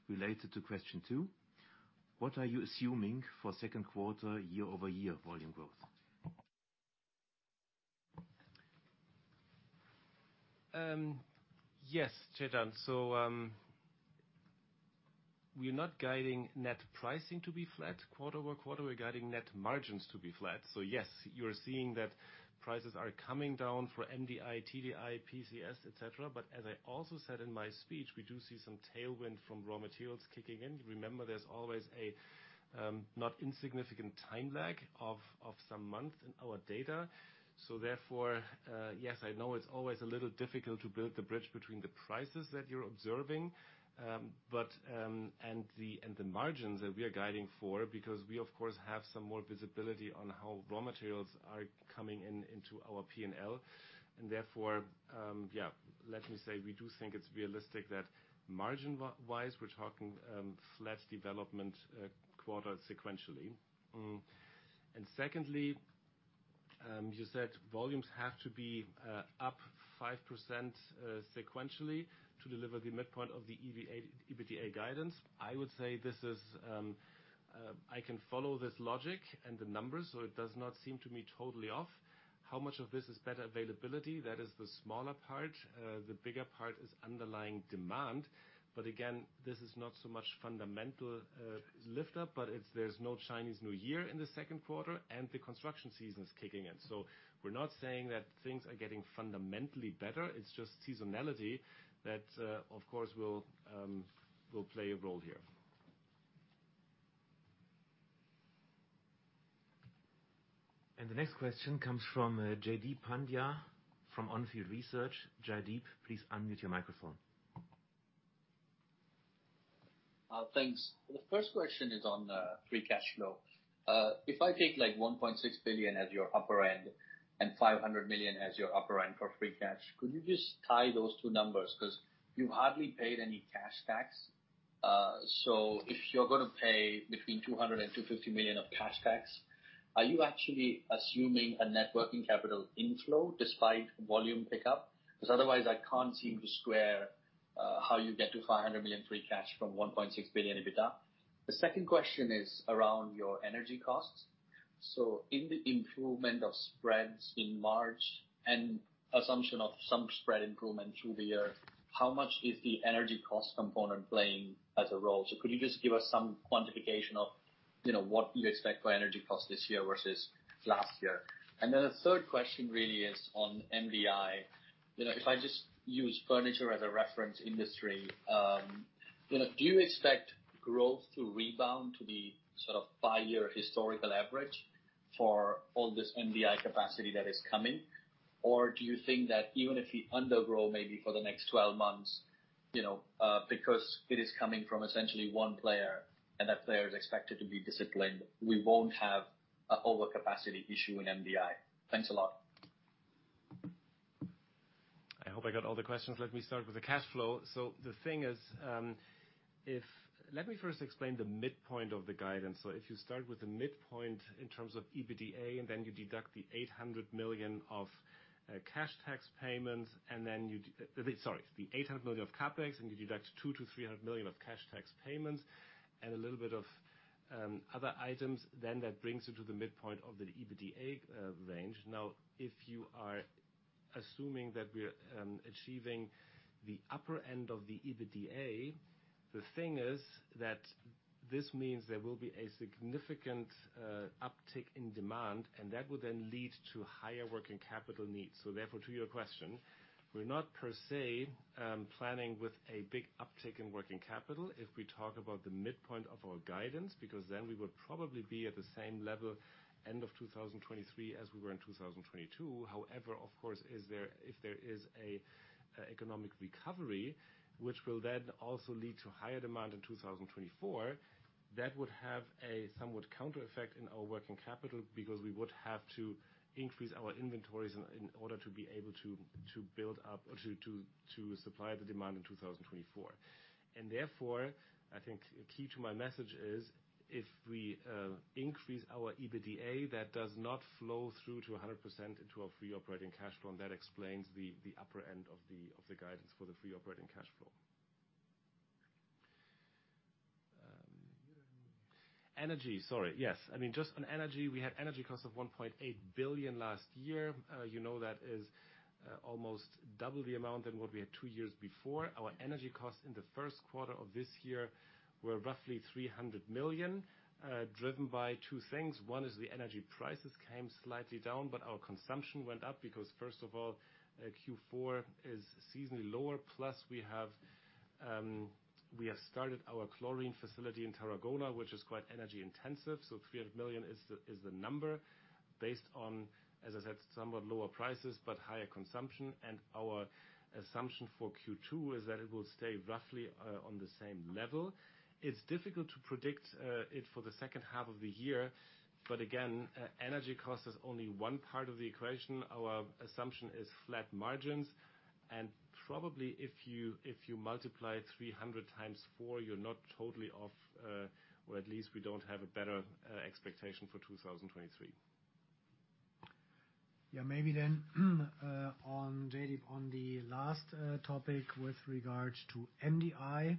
[SPEAKER 4] Related to question two, what are you assuming for second quarter year-over-year volume growth?
[SPEAKER 3] Yes, Chetan. We're not guiding net pricing to be flat quarter-over-quarter. We're guiding net margins to be flat. Yes, you're seeing that prices are coming down for MDI, TDI, PCS, et cetera. As I also said in my speech, we do see some tailwind from raw materials kicking in. Remember, there's always a not insignificant time lag of some month in our data. Therefore, yes, I know it's always a little difficult to build the bridge between the prices that you're observing. The margins that we are guiding for, because we of course, have some more visibility on how raw materials are coming in, into our P&L. Therefore, yeah, let me say, we do think it's realistic that margin-wise we're talking flat development quarter-sequentially. Secondly, you said volumes have to be up 5% sequentially to deliver the midpoint of the EBITDA guidance. I would say this is, I can follow this logic and the numbers, so it does not seem to me totally off. How much of this is better availability? That is the smaller part. The bigger part is underlying demand. Again, this is not so much fundamental lift up, but it's, there's no Chinese New Year in the second quarter and the construction season is kicking in. We're not saying that things are getting fundamentally better, it's just seasonality that, of course, will play a role here.
[SPEAKER 4] The next question comes from, Jaideep Pandya from On Field Investment Research. Jaideep, please unmute your microphone.
[SPEAKER 10] Thanks. The first question is on free cash flow. If I take like 1.6 billion as your upper end and 500 million as your upper end for free cash, could you just tie those two numbers? Because you hardly paid any cash tax. If you're going to pay between 200 million-250 million of cash tax, are you actually assuming a net working capital inflow despite volume pickup? Because otherwise, I can't seem to square how you get to 500 million free cash from 1.6 billion EBITDA. The second question is around your energy costs. In the improvement of spreads in March and assumption of some spread improvement through the year, how much is the energy cost component playing as a role? Could you just give us some quantification of, you know, what you expect for energy costs this year versus last year? The third question really is on MDI. You know, if I just use furniture as a reference industry, you know, do you expect growth to rebound to the sort of 5-year historical average for all this MDI capacity that is coming, or do you think that even if you undergrow maybe for the next 12 months, you know, because it is coming from essentially one player, and that player is expected to be disciplined, we won't have a overcapacity issue in MDI? Thanks a lot.
[SPEAKER 3] I hope I got all the questions. Let me start with the cash flow. The thing is, Let me first explain the midpoint of the guidance. If you start with the midpoint in terms of EBITDA, and then you deduct the 800 million of cash tax payments, and then you deduct the 800 million of CapEx, and you deduct 200 million-300 million of cash tax payments and a little bit of other items, then that brings you to the midpoint of the EBITDA range. If you are assuming that we're achieving the upper end of the EBITDA, the thing is that this means there will be a significant uptick in demand, and that will then lead to higher working capital needs. Therefore, to your question, we're not per se, planning with a big uptick in working capital if we talk about the midpoint of our guidance, because then we would probably be at the same level end of 2023 as we were in 2022. Of course, is there, if there is a economic recovery, which will then also lead to higher demand in 2024, that would have a somewhat counter effect in our working capital because we would have to increase our inventories in order to be able to build up or to supply the demand in 2024. Therefore, I think key to my message is, if we increase our EBITDA, that does not flow through to 100% into our free operating cash flow, and that explains the upper end of the guidance for the free operating cash flow. Energy. Sorry, yes. I mean, just on energy, we had energy costs of 1.8 billion last year. You know that is almost double the amount than what we had two years before. Our energy costs in the first quarter of this year were roughly 300 million, driven by 2 things. One is the energy prices came slightly down, but our consumption went up because first of all, Q4 is seasonally lower, plus we have started our chlorine facility in Tarragona, which is quite energy intensive. 300 million is the number based on, as I said, somewhat lower prices, but higher consumption. Our assumption for Q2 is that it will stay roughly on the same level. It's difficult to predict it for the second half of the year, but again, energy cost is only one part of the equation. Our assumption is flat margins. Probably if you multiply 300 times 4, you're not totally off, or at least we don't have a better expectation for 2023.
[SPEAKER 2] Maybe then, on Jaideep, on the last topic with regards to MDI.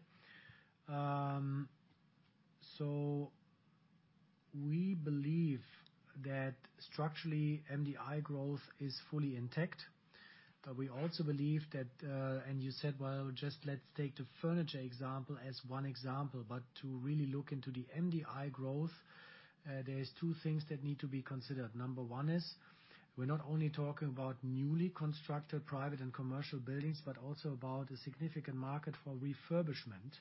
[SPEAKER 2] We believe that structurally, MDI growth is fully intact. We also believe that, and you said, well, just let's take the furniture example as one example. To really look into the MDI growth, there is two things that need to be considered. Number one is we're not only talking about newly constructed private and commercial buildings, but also about a significant market for refurbishment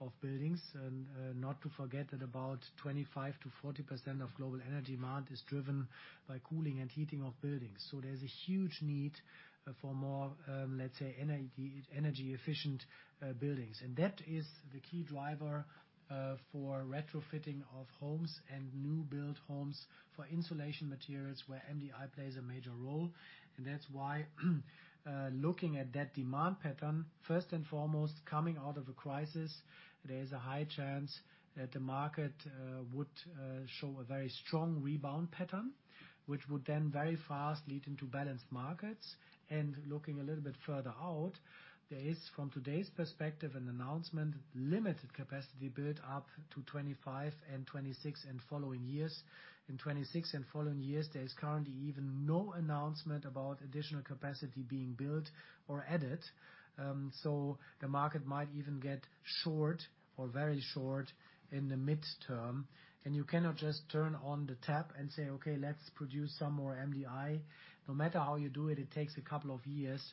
[SPEAKER 2] of buildings. Not to forget that about 25%-40% of global energy demand is driven by cooling and heating of buildings. There's a huge need for more, let's say, energy efficient buildings. That is the key driver for retrofitting of homes and new build homes for insulation materials where MDI plays a major role. That's why, looking at that demand pattern, first and foremost, coming out of a crisis, there is a high chance that the market would show a very strong rebound pattern, which would then very fast lead into balanced markets. Looking a little bit further out, there is, from today's perspective and announcement, limited capacity build up to 25 and 26 and following years. In 26 and following years, there is currently even no announcement about additional capacity being built or added. The market might even get short or very short in the midterm. You cannot just turn on the tap and say, "Okay, let's produce some more MDI." No matter how you do it takes a couple of years,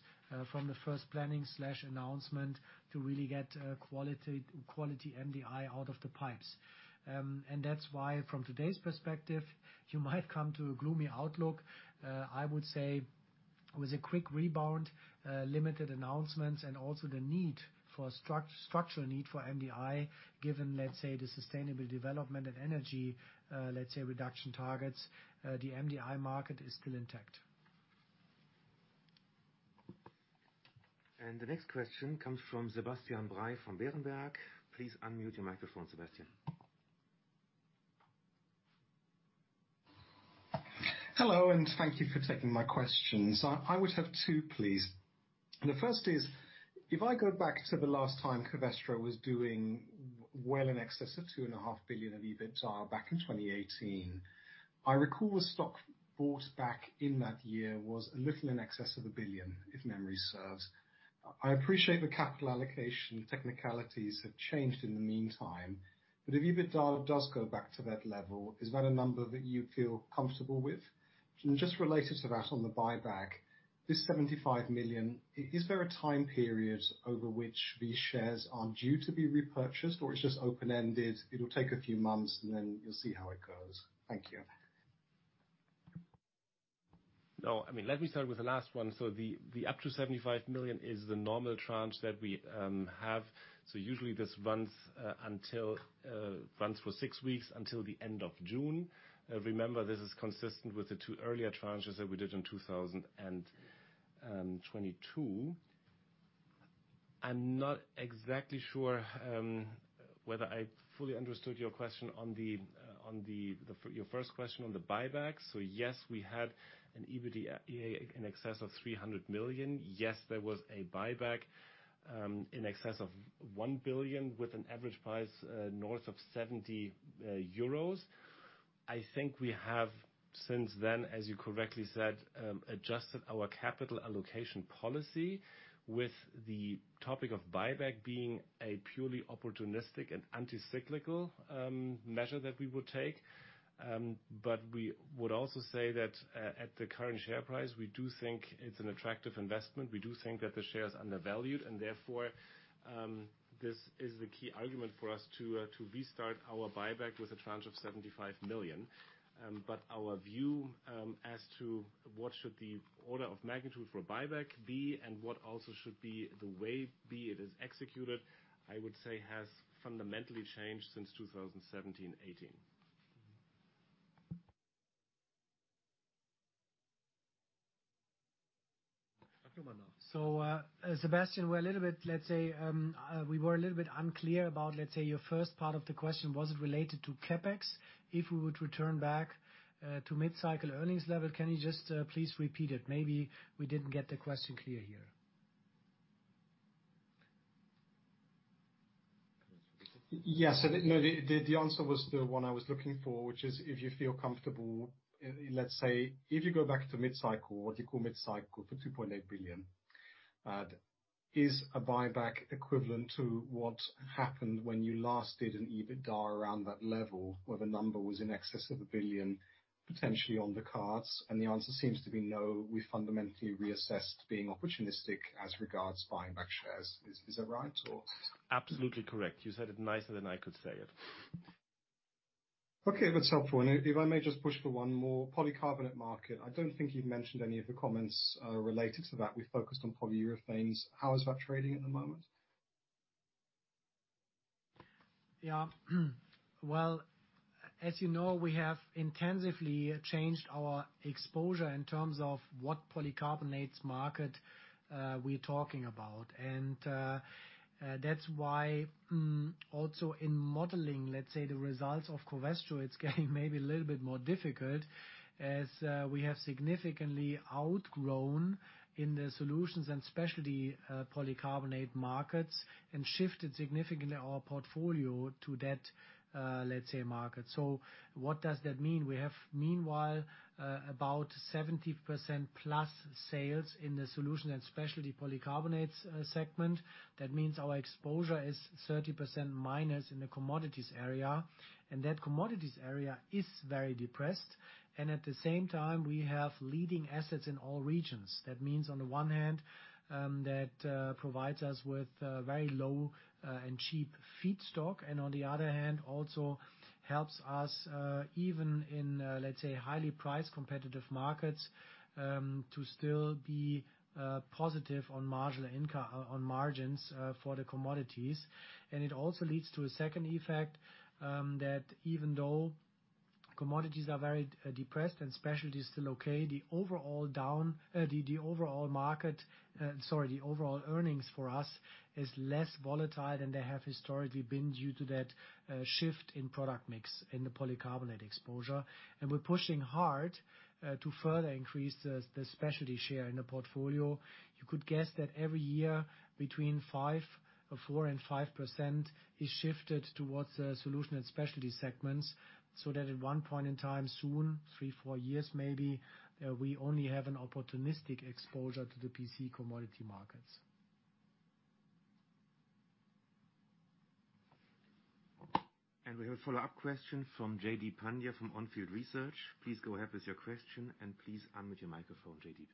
[SPEAKER 2] from the first planning/announcement to really get quality MDI out of the pipes. That's why from today's perspective, you might come to a gloomy outlook. I would say with a quick rebound, limited announcements, and also the need for a structural need for MDI given, let's say, the sustainable development and energy, let's say, reduction targets, the MDI market is still intact.
[SPEAKER 4] The next question comes from Sebastian Bray from Berenberg. Please unmute your microphone, Sebastian.
[SPEAKER 11] Hello. Thank you for taking my questions. I would have two, please. The first is, if I go back to the last time Covestro was doing well in excess of 2.5 billion in EBITDA back in 2018, I recall the stock bought back in that year was a little in excess of 1 billion, if memory serves. I appreciate the capital allocation technicalities have changed in the meantime, but if EBITDA does go back to that level, is that a number that you feel comfortable with? Just related to that on the buyback, this 75 million, is there a time period over which these shares are due to be repurchased or it's just open-ended, it'll take a few months, and then you'll see how it goes? Thank you.
[SPEAKER 3] I mean, let me start with the last one. The up to 75 million is the normal tranche that we have. Usually this runs until runs for six weeks until the end of June. Remember, this is consistent with the two earlier tranches that we did in 2022. I'm not exactly sure whether I fully understood your question on the your first question on the buyback. Yes, we had an EBITDA in excess of 300 million. Yes, there was a buyback in excess of 1 billion with an average price north of 70 euros. I think we have since then, as you correctly said, adjusted our capital allocation policy with the topic of buyback being a purely opportunistic and anti-cyclical measure that we would take. We would also say that at the current share price, we do think it's an attractive investment. We do think that the share is undervalued, and therefore, this is the key argument for us to restart our buyback with a tranche of 75 million. Our view as to what should the order of magnitude for buyback be and what also should be the way it is executed, I would say has fundamentally changed since 2017, 2018.
[SPEAKER 2] Sebastian, we're a little bit, let's say, we were a little bit unclear about, let's say, your first part of the question. Was it related to CapEx? If we would return back to mid-cycle earnings level, can you just please repeat it? Maybe we didn't get the question clear here.
[SPEAKER 11] Yes. No, the answer was the one I was looking for, which is if you feel comfortable, let's say, if you go back to mid-cycle, what you call mid-cycle for 2.8 billion, is a buyback equivalent to what happened when you last did an EBITDA around that level, where the number was in excess of 1 billion potentially on the cards? The answer seems to be no, we fundamentally reassessed being opportunistic as regards buying back shares. Is that right or?
[SPEAKER 3] Absolutely correct. You said it nicer than I could say it.
[SPEAKER 11] Okay, that's helpful. If I may just push for one more. Polycarbonate market, I don't think you've mentioned any of the comments related to that. We focused on polyurethanes. How is that trading at the moment?
[SPEAKER 2] Yeah. Well, as you know, we have intensively changed our exposure in terms of what polycarbonates market, we're talking about. That's why, also in modeling, let's say, the results of Covestro, it's getting maybe a little bit more difficult as we have significantly outgrown in the Solutions & Specialties polycarbonate markets and shifted significantly our portfolio to that, let's say, market. What does that mean? We have meanwhile, about 70%+ sales in the Solutions & Specialty polycarbonates segment. That means our exposure is -30% in the commodities area, that commodities area is very depressed. At the same time, we have leading assets in all regions. That means on the one hand, that provides us with very low and cheap feedstock. On the other hand, also helps us even in, let's say, highly priced competitive markets, to still be positive on margins for the commodities. It also leads to a second effect that even though commodities are very depressed and Specialty is still okay, the overall earnings for us is less volatile than they have historically been due to that shift in product mix in the polycarbonate exposure. We're pushing hard to further increase the Specialty share in the portfolio. You could guess that every year between 4% and 5% is shifted towards the Solutions & Specialties segments, so that at one point in time soon, 3-4 years maybe, we only have an opportunistic exposure to the PC commodity markets.
[SPEAKER 4] We have a follow-up question from Jaideep Pandya from On Field Investment Research. Please go ahead with your question, and please unmute your microphone, Jaideep.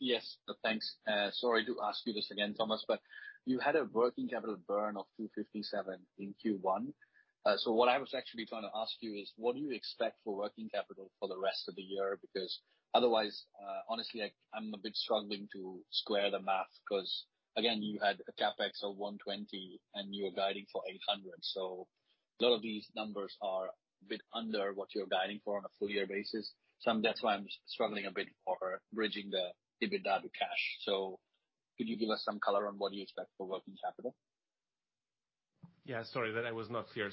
[SPEAKER 10] Yes. Thanks. Sorry to ask you this again, Thomas, you had a working capital burn of 257 in Q1. What I was actually trying to ask you is, what do you expect for working capital for the rest of the year? Otherwise, honestly, I'm a bit struggling to square the math, 'cause again, you had a CapEx of 120, and you're guiding for 800. A lot of these numbers are a bit under what you're guiding for on a full year basis. That's why I'm struggling a bit for bridging the EBITDA to cash. Could you give us some color on what you expect for working capital?
[SPEAKER 3] Sorry that I was not clear.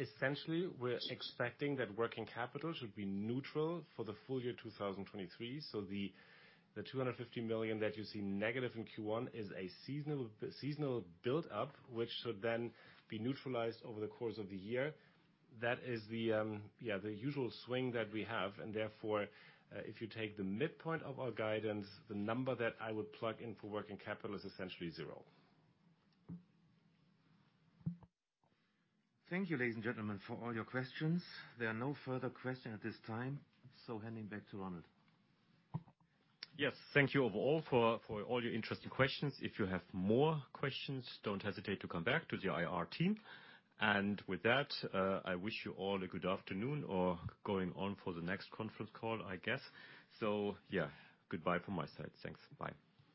[SPEAKER 3] Essentially, we're expecting that working capital should be neutral for the full year 2023. The 250 million that you see negative in Q1 is a seasonal buildup, which should then be neutralized over the course of the year. That is the, yeah, the usual swing that we have. Therefore, if you take the midpoint of our guidance, the number that I would plug in for working capital is essentially zero.
[SPEAKER 4] Thank you, ladies and gentlemen, for all your questions. There are no further questions at this time. Handing back to Ronald.
[SPEAKER 1] Yes. Thank you all for all your interesting questions. If you have more questions, don't hesitate to come back to the IR team. With that, I wish you all a good afternoon or going on for the next conference call, I guess. Yeah, goodbye from my side. Thanks. Bye.